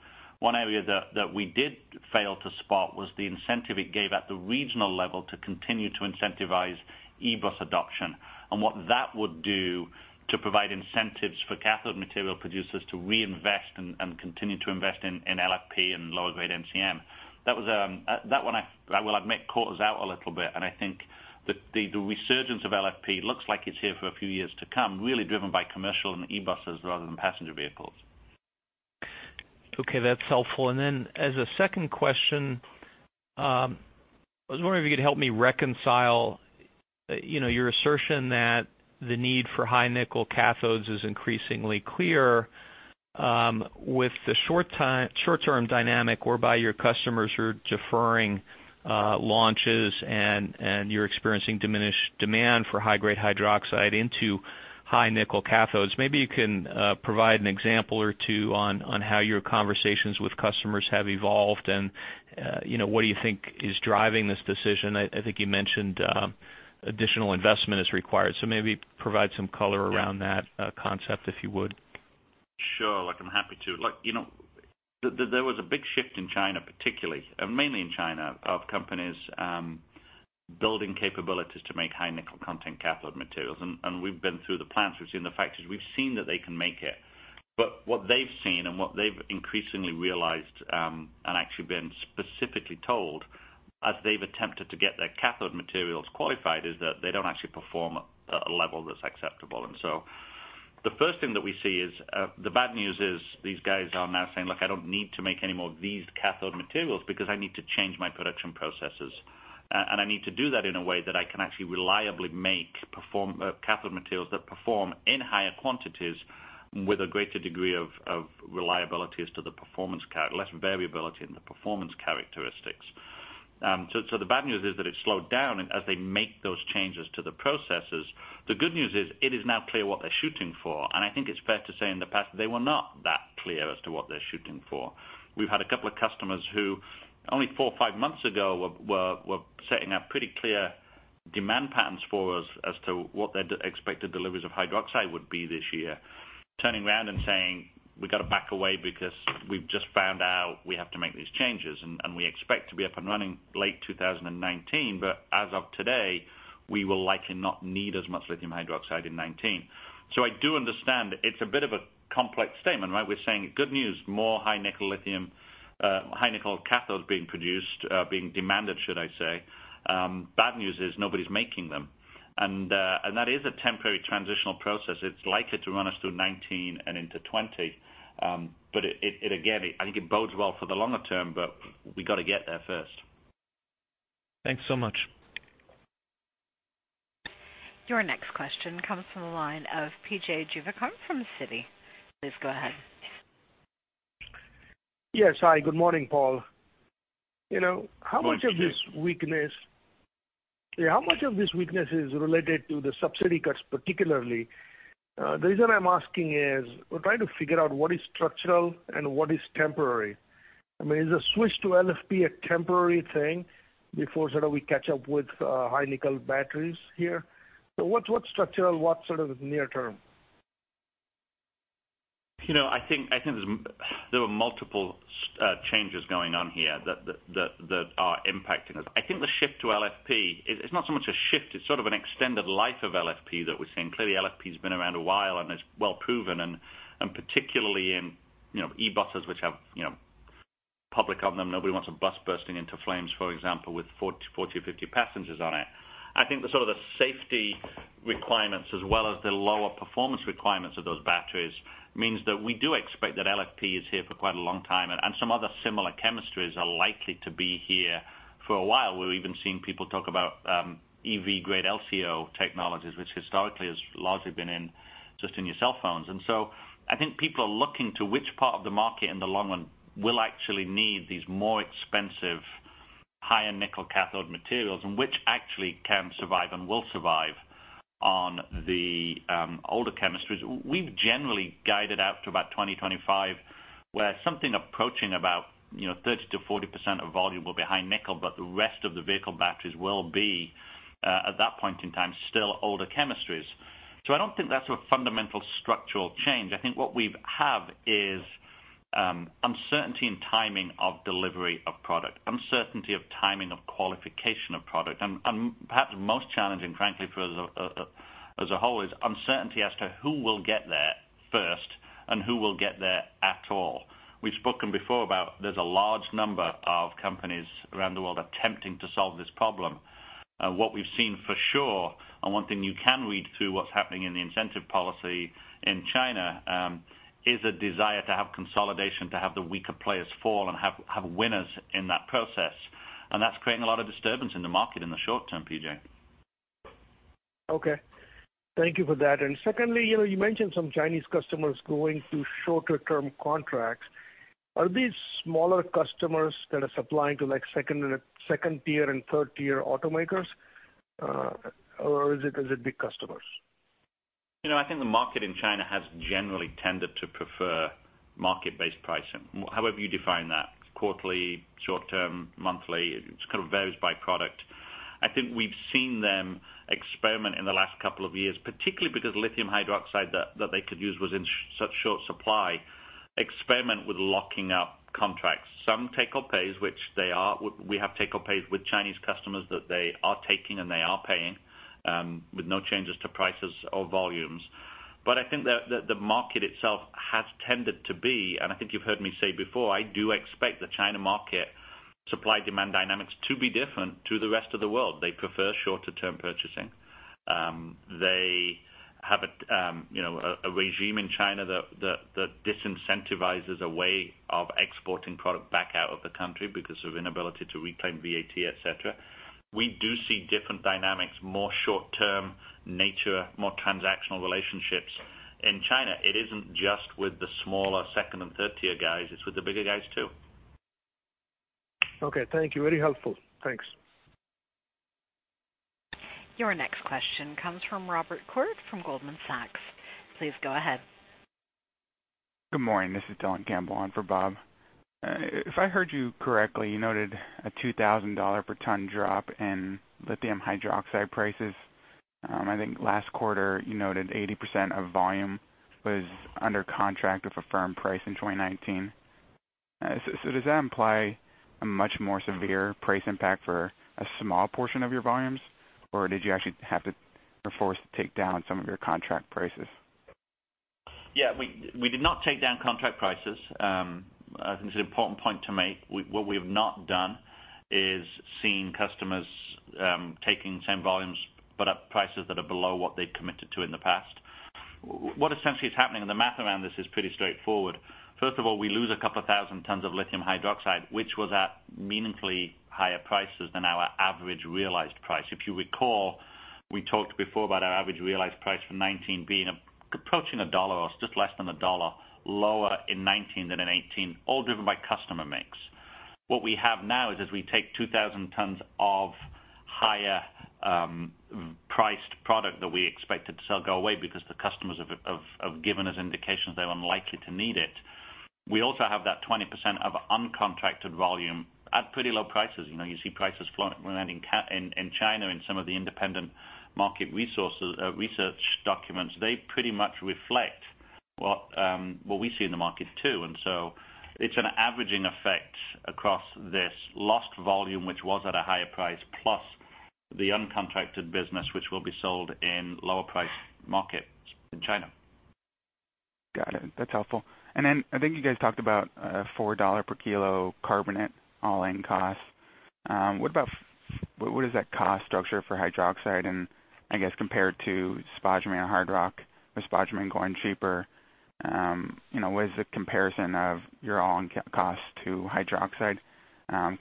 one area that we did fail to spot was the incentive it gave at the regional level to continue to incentivize e-bus adoption and what that would do to provide incentives for cathode material producers to reinvest and continue to invest in LFP and lower grade NCM. That one, I will admit, caught us out a little bit. I think the resurgence of LFP looks like it's here for a few years to come, really driven by commercial and e-buses rather than passenger vehicles. Okay, that's helpful. As a second question, I was wondering if you could help me reconcile your assertion that the need for high nickel cathodes is increasingly clear with the short-term dynamic whereby your customers are deferring launches and you're experiencing diminished demand for high-grade hydroxide into high nickel cathodes. Maybe you can provide an example or two on how your conversations with customers have evolved and what do you think is driving this decision. I think you mentioned additional investment is required. Maybe provide some color around that concept, if you would. Sure, look, I'm happy to. Look, there was a big shift in China particularly, mainly in China, of companies building capabilities to make high nickel content cathode materials. We've been through the plants, we've seen the factories, we've seen that they can make it. What they've seen and what they've increasingly realized, and actually been specifically told as they've attempted to get their cathode materials qualified, is that they don't actually perform at a level that's acceptable. The first thing that we see is, the bad news is these guys are now saying, "Look, I don't need to make any more of these cathode materials because I need to change my production processes. I need to do that in a way that I can actually reliably make cathode materials that perform in higher quantities with a greater degree of reliability as to the performance, less variability in the performance characteristics." The bad news is that it's slowed down as they make those changes to the processes. The good news is it is now clear what they're shooting for, and I think it's fair to say in the past, they were not that clear as to what they're shooting for. We've had a couple of customers who only 4 or 5 months ago were setting out pretty clear demand patterns for us as to what their expected deliveries of lithium hydroxide would be this year, turning around and saying, "We've got to back away because we've just found out we have to make these changes, and we expect to be up and running late 2019." As of today, we will likely not need as much lithium hydroxide in 2019. I do understand it's a bit of a complex statement. We're saying good news, more high nickel cathodes being produced, being demanded, should I say. Bad news is nobody's making them. That is a temporary transitional process. It's likely to run us through 2019 and into 2020. Again, I think it bodes well for the longer term, but we got to get there first. Thanks so much. Your next question comes from the line of P.J. Juvekar from Citi. Please go ahead. Yes. Hi. Good morning, Paul. Good morning to you. How much of this weakness is related to the subsidy cuts particularly? The reason I'm asking is we're trying to figure out what is structural and what is temporary. Is the switch to LFP a temporary thing before we catch up with high nickel batteries here? What's structural? What's near-term? I think there were multiple changes going on here that are impacting us. I think the shift to LFP, it's not so much a shift. It's sort of an extended life of LFP that we're seeing. Clearly, LFP has been around a while, and it's well-proven, and particularly in e-buses, which have public on them. Nobody wants a bus bursting into flames, for example, with 40 or 50 passengers on it. I think the safety requirements as well as the lower performance requirements of those batteries means that we do expect that LFP is here for quite a long time, and some other similar chemistries are likely to be here for a while. We're even seeing people talk about EV grade LCO technologies, which historically has largely been just in your cell phones. I think people are looking to which part of the market in the long run will actually need these more expensive higher nickel cathode materials and which actually can survive and will survive on the older chemistries. We've generally guided out to about 2025, where something approaching about 30%-40% of volume will be high nickel, but the rest of the vehicle batteries will be, at that point in time, still older chemistries. I don't think that's a fundamental structural change. I think what we have is uncertainty in timing of delivery of product, uncertainty of timing of qualification of product, and perhaps most challenging, frankly, for us as a whole, is uncertainty as to who will get there first and who will get there at all. We've spoken before about there's a large number of companies around the world attempting to solve this problem. What we've seen for sure, and one thing you can read through what's happening in the incentive policy in China, is a desire to have consolidation, to have the weaker players fall and have winners in that process. That's creating a lot of disturbance in the market in the short term, P.J. Okay. Thank you for that. Secondly, you mentioned some Chinese customers going to shorter term contracts. Are these smaller customers that are supplying to tier 2 and tier 3 automakers, or is it big customers? I think the market in China has generally tended to prefer market-based pricing. However you define that, quarterly, short term, monthly, it varies by product. I think we've seen them experiment in the last couple of years, particularly because lithium hydroxide that they could use was in such short supply, experiment with locking up contracts. Some take or pays, which we have take or pays with Chinese customers that they are taking and they are paying, with no changes to prices or volumes. I think that the market itself has tended to be, and I think you've heard me say before, I do expect the China market supply-demand dynamics to be different to the rest of the world. They prefer shorter term purchasing. They have a regime in China that disincentivizes a way of exporting product back out of the country because of inability to reclaim VAT, et cetera. We do see different dynamics, more short term nature, more transactional relationships in China. It isn't just with the smaller tier 2 and tier 3 guys, it's with the bigger guys, too. Okay. Thank you. Very helpful. Thanks. Your next question comes from Robert Koort from Goldman Sachs. Please go ahead. Good morning. This is Dylan Campbell on for Bob. If I heard you correctly, you noted a $2,000 per ton drop in lithium hydroxide prices. I think last quarter you noted 80% of volume was under contract with a firm price in 2019. Does that imply a much more severe price impact for a small portion of your volumes? Or did you actually have to be forced to take down some of your contract prices? Yeah, we did not take down contract prices. I think it's an important point to make. What we have not done is seen customers taking the same volumes but at prices that are below what they'd committed to in the past. What essentially is happening, the math around this is pretty straightforward. First of all, we lose a couple of thousand tons of lithium hydroxide, which was at meaningfully higher prices than our average realized price. If you recall, we talked before about our average realized price for 2019 approaching $1 or just less than $1 lower in 2019 than in 2018, all driven by customer mix. What we have now is as we take 2,000 tons of higher priced product that we expected to sell go away because the customers have given us indications they're unlikely to need it. We also have that 20% of uncontracted volume at pretty low prices. You see prices floating around in China in some of the independent market research documents. They pretty much reflect what we see in the market, too. It's an averaging effect across this lost volume, which was at a higher price, plus the uncontracted business, which will be sold in lower priced markets in China. Got it. That's helpful. I think you guys talked about a $4 per kilo carbonate all-in cost. What is that cost structure for hydroxide and I guess compared to spodumene or hard rock? With spodumene going cheaper, what is the comparison of your all-in cost to hydroxide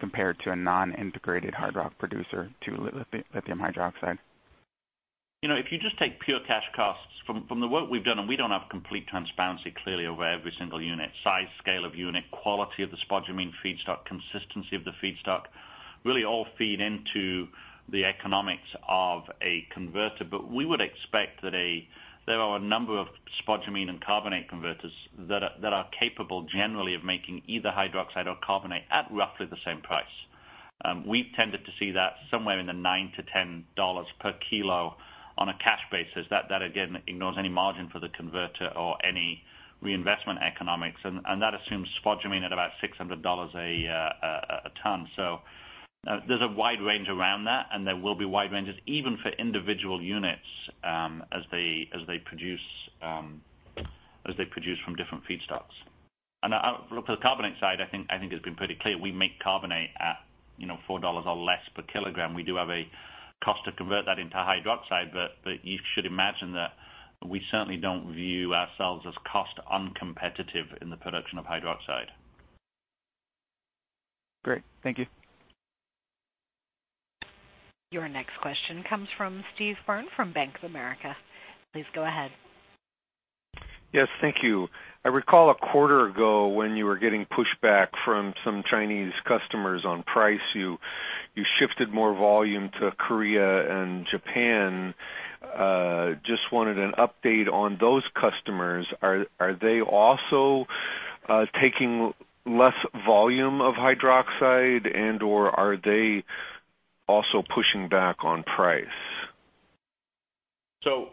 compared to a non-integrated hard rock producer to lithium hydroxide? If you just take pure cash costs from the work we've done, we don't have complete transparency clearly over every single unit. Size, scale of unit, quality of the spodumene feedstock, consistency of the feedstock, really all feed into the economics of a converter. We would expect that there are a number of spodumene and carbonate converters that are capable generally of making either hydroxide or carbonate at roughly the same price. We've tended to see that somewhere in the $9-$10 per kilo on a cash basis. That again, ignores any margin for the converter or any reinvestment economics. That assumes spodumene at about $600 a ton. There's a wide range around that, and there will be wide ranges even for individual units as they produce from different feedstocks. For the carbonate side, I think it's been pretty clear we make carbonate at $4 or less per kilogram. We do have a cost to convert that into hydroxide, but you should imagine that we certainly don't view ourselves as cost uncompetitive in the production of hydroxide. Great. Thank you. Your next question comes from Steve Byrne from Bank of America. Please go ahead. Yes, thank you. I recall a quarter ago when you were getting pushback from some Chinese customers on price, you shifted more volume to Korea and Japan. Just wanted an update on those customers. Are they also taking less volume of hydroxide and/or are they also pushing back on price? The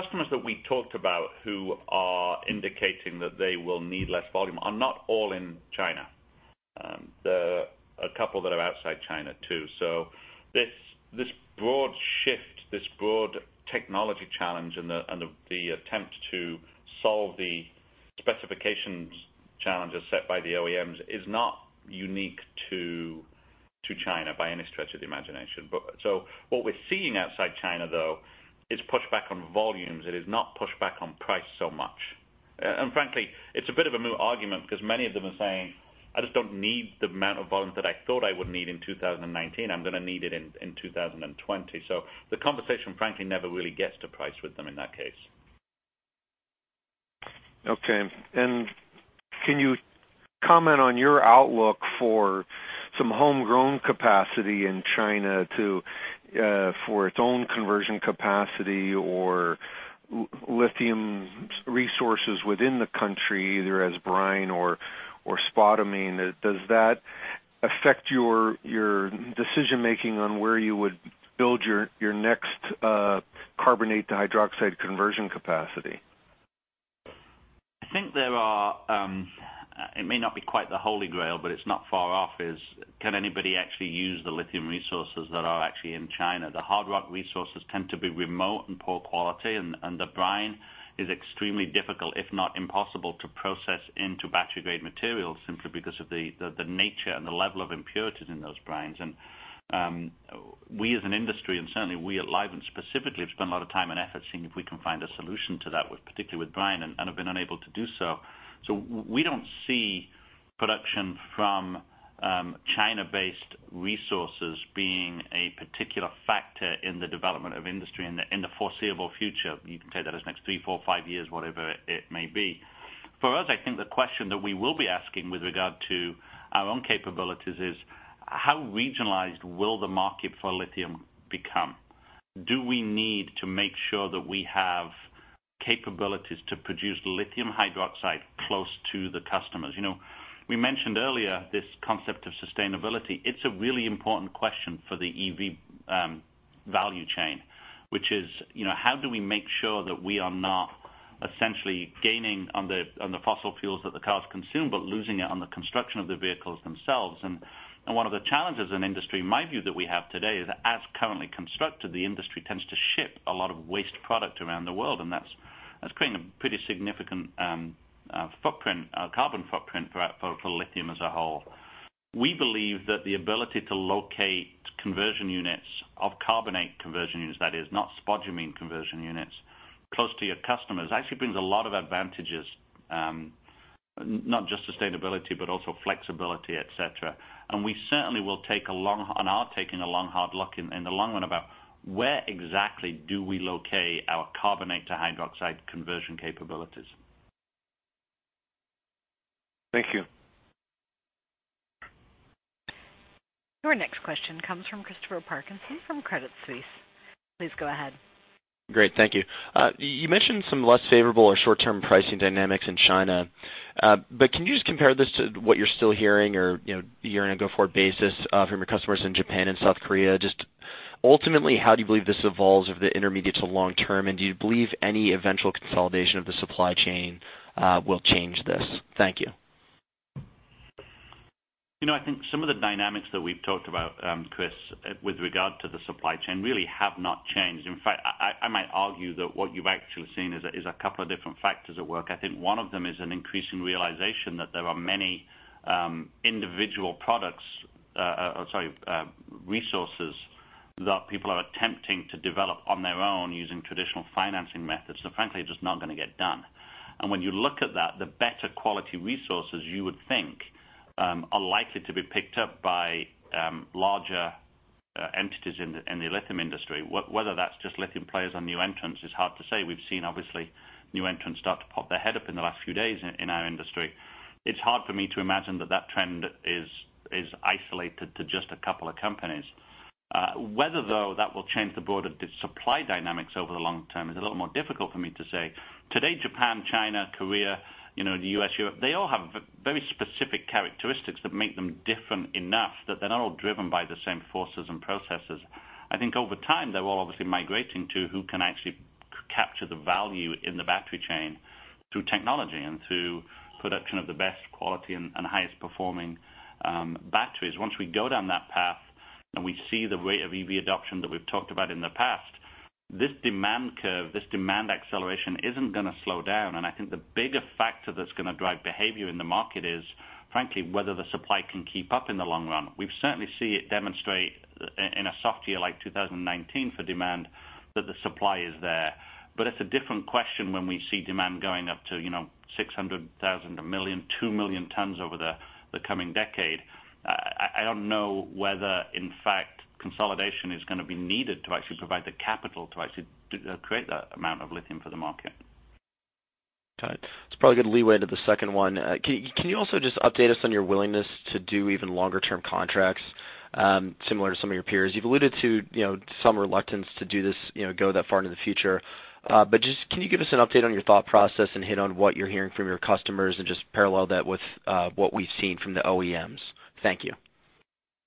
customers that we talked about who are indicating that they will need less volume are not all in China. There are a couple that are outside China too. This broad shift, this broad technology challenge and the attempt to solve the specifications challenges set by the OEMs is not unique to China by any stretch of the imagination. What we're seeing outside China, though, is pushback on volumes. It is not pushback on price so much. Frankly, it's a bit of a moot argument because many of them are saying, "I just don't need the amount of volume that I thought I would need in 2019. I'm going to need it in 2020." The conversation frankly never really gets to price with them in that case. Okay. Can you comment on your outlook for some homegrown capacity in China for its own conversion capacity or lithium resources within the country, either as brine or spodumene? Does that affect your decision-making on where you would build your next carbonate to hydroxide conversion capacity? I think it may not be quite the holy grail, but it's not far off, is can anybody actually use the lithium resources that are actually in China? The hard rock resources tend to be remote and poor quality, and the brine is extremely difficult, if not impossible, to process into battery-grade materials simply because of the nature and the level of impurities in those brines. We as an industry, and certainly we at Livent specifically, have spent a lot of time and effort seeing if we can find a solution to that, particularly with brine, and have been unable to do so. We don't see production from China-based resources being a particular factor in the development of industry in the foreseeable future. You can take that as the next three, four, five years, whatever it may be. For us, I think the question that we will be asking with regard to our own capabilities is how regionalized will the market for lithium become? Do we need to make sure that we have capabilities to produce lithium hydroxide close to the customers? We mentioned earlier this concept of sustainability. It's a really important question for the EV value chain, which is how do we make sure that we are not essentially gaining on the fossil fuels that the cars consume, but losing it on the construction of the vehicles themselves? One of the challenges in industry, in my view, that we have today is that as currently constructed, the industry tends to ship a lot of waste product around the world, and that's creating a pretty significant carbon footprint for lithium as a whole. We believe that the ability to locate conversion units of carbonate conversion units, that is not spodumene conversion units, close to your customers actually brings a lot of advantages. Not just sustainability, but also flexibility, et cetera. We certainly will take a long and are taking a long, hard look in the long run about where exactly do we locate our carbonate to hydroxide conversion capabilities. Thank you. Your next question comes from Christopher Parkinson from Credit Suisse. Please go ahead. Great. Thank you. You mentioned some less favorable or short-term pricing dynamics in China. Can you just compare this to what you're still hearing or year-on-a-go-forward basis from your customers in Japan and South Korea? Ultimately, how do you believe this evolves over the intermediate to long term, and do you believe any eventual consolidation of the supply chain will change this? Thank you. I think some of the dynamics that we've talked about, Chris, with regard to the supply chain really have not changed. In fact, I might argue that what you've actually seen is a couple of different factors at work. I think one of them is an increasing realization that there are many individual resources that people are attempting to develop on their own using traditional financing methods that frankly are just not going to get done. When you look at that, the better quality resources you would think are likely to be picked up by larger entities in the lithium industry. Whether that's just lithium players or new entrants is hard to say. We've seen, obviously, new entrants start to pop their head up in the last few days in our industry. It's hard for me to imagine that that trend is isolated to just a couple of companies. Whether, though, that will change the broader supply dynamics over the long term is a little more difficult for me to say. Today, Japan, China, Korea, the U.S., Europe, they all have very specific characteristics that make them different enough that they're not all driven by the same forces and processes. I think over time, they're all obviously migrating to who can actually capture the value in the battery chain through technology and through production of the best quality and highest performing batteries. Once we go down that path and we see the rate of EV adoption that we've talked about in the past, this demand curve, this demand acceleration isn't going to slow down. I think the bigger factor that's going to drive behavior in the market is, frankly, whether the supply can keep up in the long run. We certainly see it demonstrate year like 2019 for demand, that the supply is there. It's a different question when we see demand going up to 600,000, 1 million, 2 million tons over the coming decade. I don't know whether, in fact, consolidation is going to be needed to actually provide the capital to actually create that amount of lithium for the market. Got it. It's probably good leeway to the second one. Can you also just update us on your willingness to do even longer-term contracts similar to some of your peers? You've alluded to some reluctance to do this, go that far into the future. Just can you give us an update on your thought process and hit on what you're hearing from your customers and just parallel that with what we've seen from the OEMs? Thank you.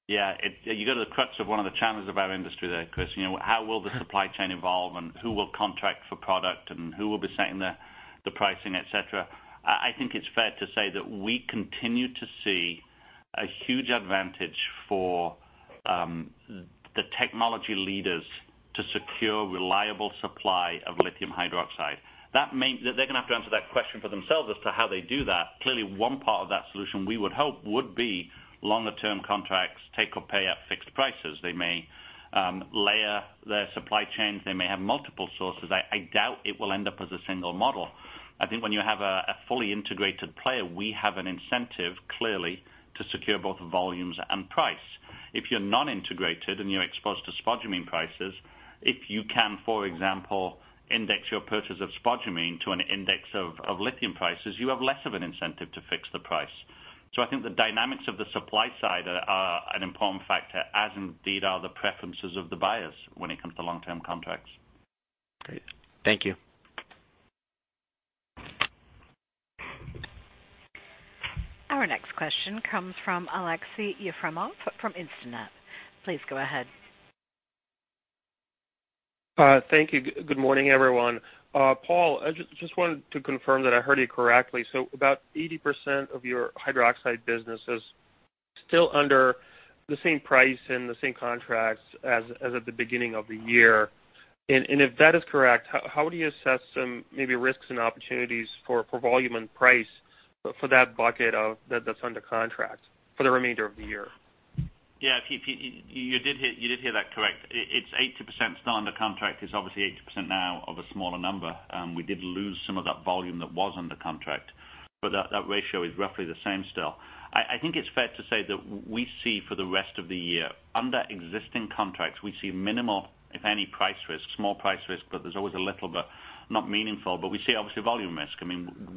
Yeah. You go to the crux of one of the challenges of our industry there, Chris. How will the supply chain evolve and who will contract for product and who will be setting the pricing, et cetera? I think it's fair to say that we continue to see a huge advantage for the technology leaders to secure reliable supply of lithium hydroxide. They're going to have to answer that question for themselves as to how they do that. Clearly, one part of that solution, we would hope, would be longer-term contracts, take or pay at fixed prices. They may layer their supply chains. They may have multiple sources. I doubt it will end up as a single model. I think when you have a fully integrated player, we have an incentive, clearly, to secure both volumes and price. If you're non-integrated and you're exposed to spodumene prices, if you can, for example, index your purchase of spodumene to an index of lithium prices, you have less of an incentive to fix the price. I think the dynamics of the supply side are an important factor, as indeed are the preferences of the buyers when it comes to long-term contracts. Great. Thank you. Our next question comes from Aleksey Yefremov from Instinet. Please go ahead. Thank you. Good morning, everyone. Paul, I just wanted to confirm that I heard you correctly. About 80% of your hydroxide business is still under the same price and the same contracts as at the beginning of the year. If that is correct, how do you assess some maybe risks and opportunities for volume and price for that bucket that's under contract for the remainder of the year? Yeah, you did hear that correct. It's 80% still under contract, is obviously 80% now of a smaller number. We did lose some of that volume that was under contract, that ratio is roughly the same still. I think it's fair to say that we see for the rest of the year, under existing contracts, we see minimal, if any, price risk, small price risk, there's always a little but not meaningful. We see obviously volume risk.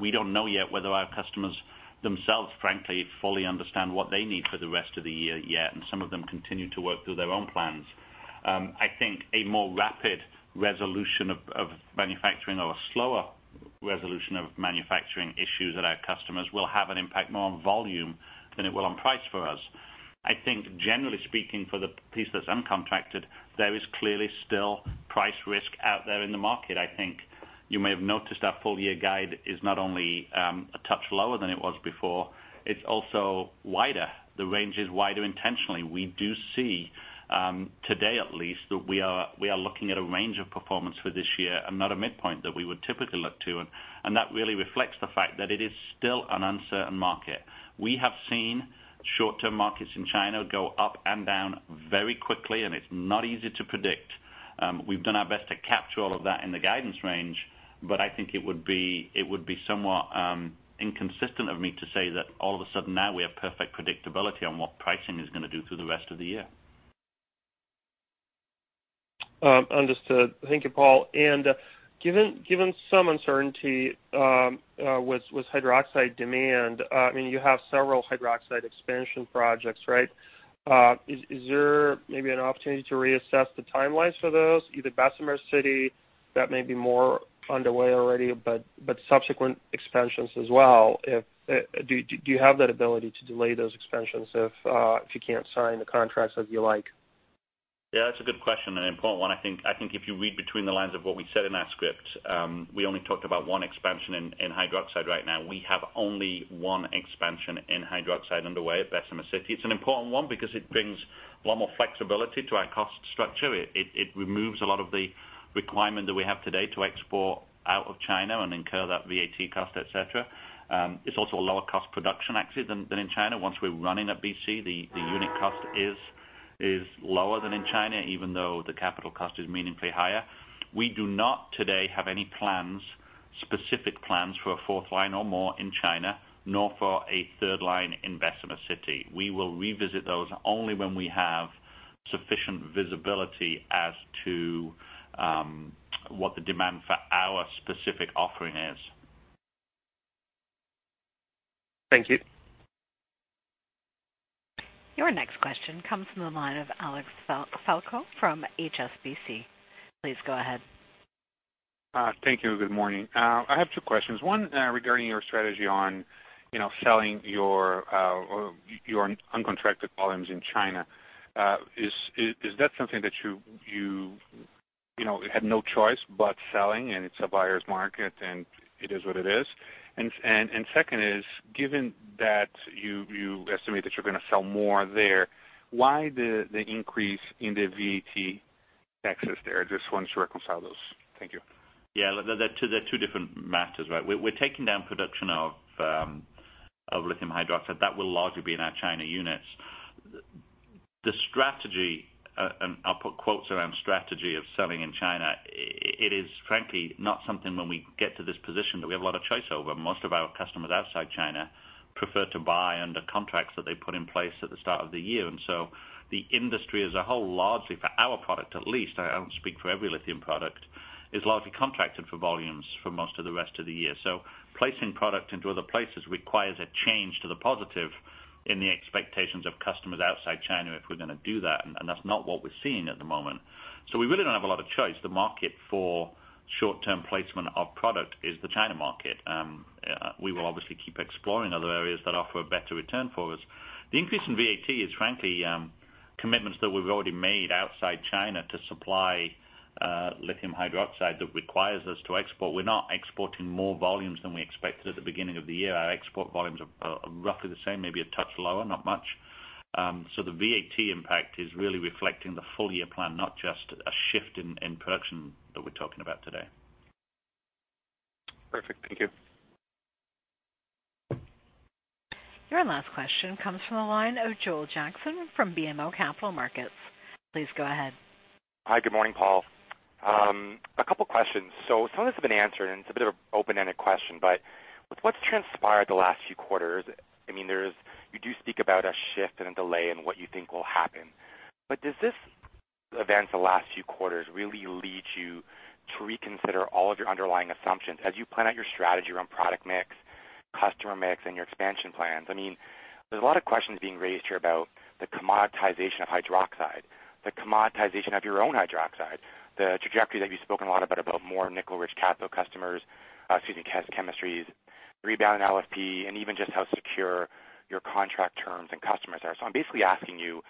We don't know yet whether our customers themselves, frankly, fully understand what they need for the rest of the year yet, and some of them continue to work through their own plans. I think a more rapid resolution of manufacturing or a slower resolution of manufacturing issues at our customers will have an impact more on volume than it will on price for us. I think generally speaking, for the piece that's uncontracted, there is clearly still price risk out there in the market. I think you may have noticed our full-year guide is not only a touch lower than it was before, it's also wider. The range is wider intentionally. We do see, today at least, that we are looking at a range of performance for this year not a midpoint that we would typically look to, that really reflects the fact that it is still an uncertain market. We have seen short-term markets in China go up and down very quickly, it's not easy to predict. We've done our best to capture all of that in the guidance range, but I think it would be somewhat inconsistent of me to say that all of a sudden now we have perfect predictability on what pricing is going to do through the rest of the year. Understood. Thank you, Paul. Given some uncertainty with hydroxide demand, you have several hydroxide expansion projects, right? Is there maybe an opportunity to reassess the timelines for those, either Bessemer City, that may be more underway already, but subsequent expansions as well? Do you have that ability to delay those expansions if you can't sign the contracts as you like? Yeah, that's a good question, an important one. I think if you read between the lines of what we said in our script, we only talked about one expansion in hydroxide right now. We have only one expansion in hydroxide underway at Bessemer City. It's an important one because it brings a lot more flexibility to our cost structure. It removes a lot of the requirement that we have today to export out of China and incur that VAT cost, et cetera. It's also a lower cost production actually than in China. Once we're running at BC, the unit cost is lower than in China, even though the capital cost is meaningfully higher. We do not today have any specific plans for a fourth line or more in China, nor for a third line in Bessemer City. We will revisit those only when we have sufficient visibility as to what the demand for our specific offering is. Thank you. Your next question comes from the line of Alexandre Falcao from HSBC. Please go ahead. Thank you. Good morning. I have two questions. One regarding your strategy on selling your uncontracted volumes in China. Is that something that you had no choice but selling and it's a buyer's market and it is what it is? Second, is given that you estimate that you're going to sell more there, why the increase in the VAT taxes there? I just want to reconcile those. Thank you. They're two different matters, right? We're taking down production of lithium hydroxide that will largely be in our China units. The strategy, and I'll put quotes around "strategy" of selling in China, it is frankly not something when we get to this position that we have a lot of choice over. Most of our customers outside China prefer to buy under contracts that they put in place at the start of the year. The industry as a whole, largely for our product, at least, I don't speak for every lithium product, is largely contracted for volumes for most of the rest of the year. Placing product into other places requires a change to the positive in the expectations of customers outside China if we're going to do that, and that's not what we're seeing at the moment. We really don't have a lot of choice. The market for short-term placement of product is the China market. We will obviously keep exploring other areas that offer a better return for us. The increase in VAT is frankly, commitments that we've already made outside China to supply lithium hydroxide that requires us to export. We're not exporting more volumes than we expected at the beginning of the year. Our export volumes are roughly the same, maybe a touch lower, not much. The VAT impact is really reflecting the full-year plan, not just a shift in production that we're talking about today. Perfect. Thank you. Your last question comes from the line of Joel Jackson from BMO Capital Markets. Please go ahead. Hi, good morning, Paul. A couple questions. Some of this has been answered, and it's a bit of an open-ended question, with what's transpired the last few quarters, you do speak about a shift and a delay in what you think will happen. Does this event the last few quarters really lead you to reconsider all of your underlying assumptions as you plan out your strategy around product mix, customer mix, and your expansion plans? There's a lot of questions being raised here about the commoditization of hydroxide, the commoditization of your own hydroxide, the trajectory that you've spoken a lot about more nickel-rich cathode customers, excuse me, chemistries, rebound in LFP, and even just how secure your contract terms and customers are. I'm basically asking you,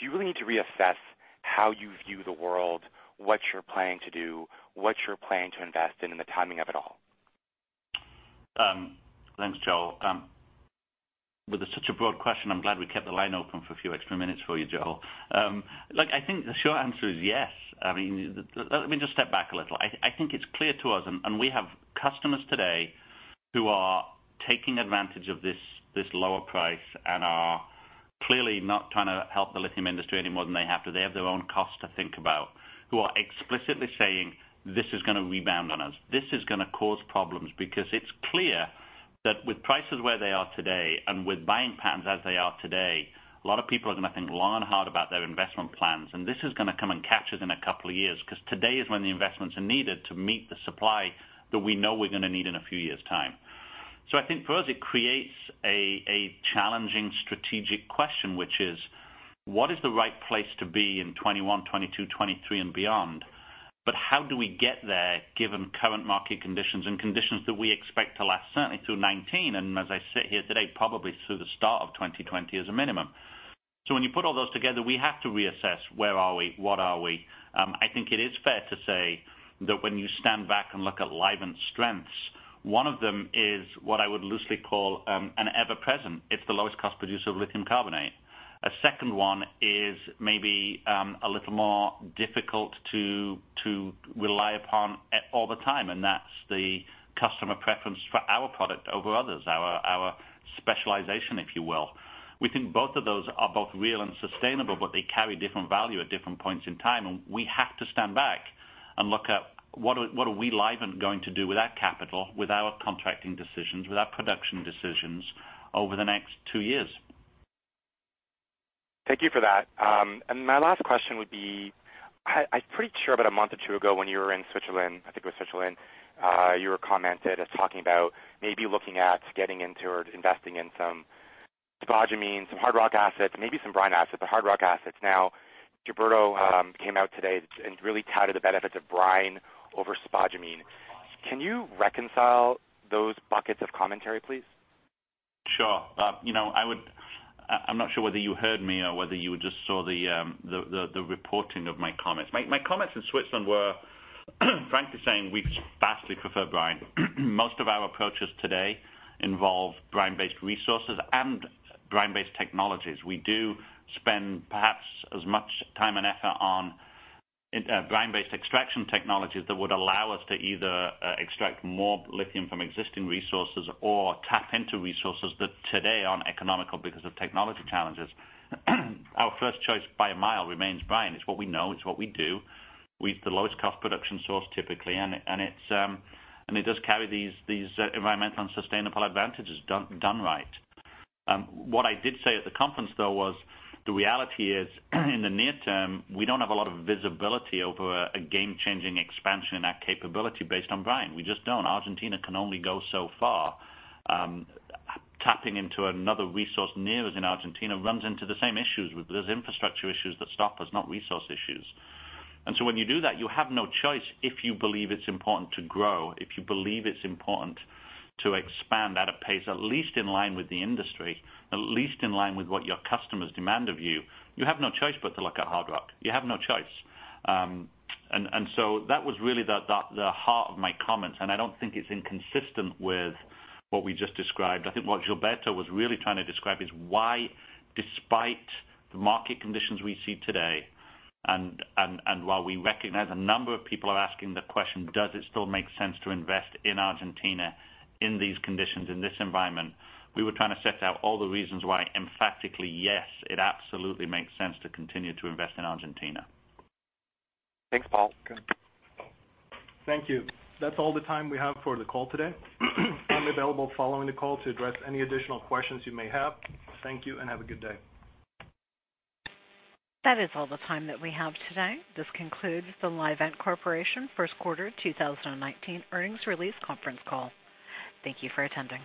do you really need to reassess how you view the world, what you're planning to do, what you're planning to invest in, and the timing of it all? Thanks, Joel. With such a broad question, I'm glad we kept the line open for a few extra minutes for you, Joel. I think the short answer is yes. Let me just step back a little. I think it's clear to us, and we have customers today who are taking advantage of this lower price and are clearly not trying to help the lithium industry any more than they have to. They have their own cost to think about, who are explicitly saying, "This is going to rebound on us. This is going to cause problems." Because it's clear that with prices where they are today and with buying patterns as they are today, a lot of people are going to think long and hard about their investment plans. This is going to come and catch us in a couple of years because today is when the investments are needed to meet the supply that we know we're going to need in a few years' time. I think for us, it creates a challenging strategic question, which is: what is the right place to be in 2021, 2022, 2023 and beyond? How do we get there given current market conditions and conditions that we expect to last certainly through 2019, and as I sit here today, probably through the start of 2020 as a minimum. When you put all those together, we have to reassess where are we, what are we? I think it is fair to say that when you stand back and look at Livent's strengths, one of them is what I would loosely call an ever present. It's the lowest cost producer of lithium carbonate. A second one is maybe a little more difficult to rely upon all the time, and that's the customer preference for our product over others, our specialization, if you will. We think both of those are both real and sustainable, but they carry different value at different points in time, and we have to stand back and look at what are we, Livent, going to do with our capital, with our contracting decisions, with our production decisions over the next two years. Thank you for that. My last question would be, I'm pretty sure about a month or two ago when you were in Switzerland, I think it was Switzerland, you were commented as talking about maybe looking at getting into or investing in some spodumene, some hard rock assets, maybe some brine assets, but hard rock assets. Gilberto came out today and really touted the benefits of brine over spodumene. Can you reconcile those buckets of commentary, please? Sure. I'm not sure whether you heard me or whether you just saw the reporting of my comments. My comments in Switzerland were frankly saying we vastly prefer brine. Most of our approaches today involve brine-based resources and brine-based technologies. We do spend perhaps as much time and effort on brine-based extraction technologies that would allow us to either extract more lithium from existing resources or tap into resources that today aren't economical because of technology challenges. Our first choice by a mile remains brine. It's what we know. It's what we do. We have the lowest cost production source typically, and it does carry these environmental and sustainable advantages done right. What I did say at the conference, though, was the reality is in the near term, we don't have a lot of visibility over a game-changing expansion in our capability based on brine. We just don't. Argentina can only go so far. Tapping into another resource near us in Argentina runs into the same issues. There's infrastructure issues that stop us, not resource issues. When you do that, you have no choice if you believe it's important to grow, if you believe it's important to expand at a pace at least in line with the industry, at least in line with what your customers demand of you. You have no choice but to look at hard rock. You have no choice. That was really the heart of my comments, and I don't think it's inconsistent with what we just described. I think what Gilberto was really trying to describe is why despite the market conditions we see today and while we recognize a number of people are asking the question, does it still make sense to invest in Argentina in these conditions, in this environment? We were trying to set out all the reasons why emphatically, yes, it absolutely makes sense to continue to invest in Argentina. Thanks, Paul. Thank you. That is all the time we have for the call today. I am available following the call to address any additional questions you may have. Thank you and have a good day. That is all the time that we have today. This concludes the Livent Corporation first quarter 2019 earnings release conference call. Thank you for attending.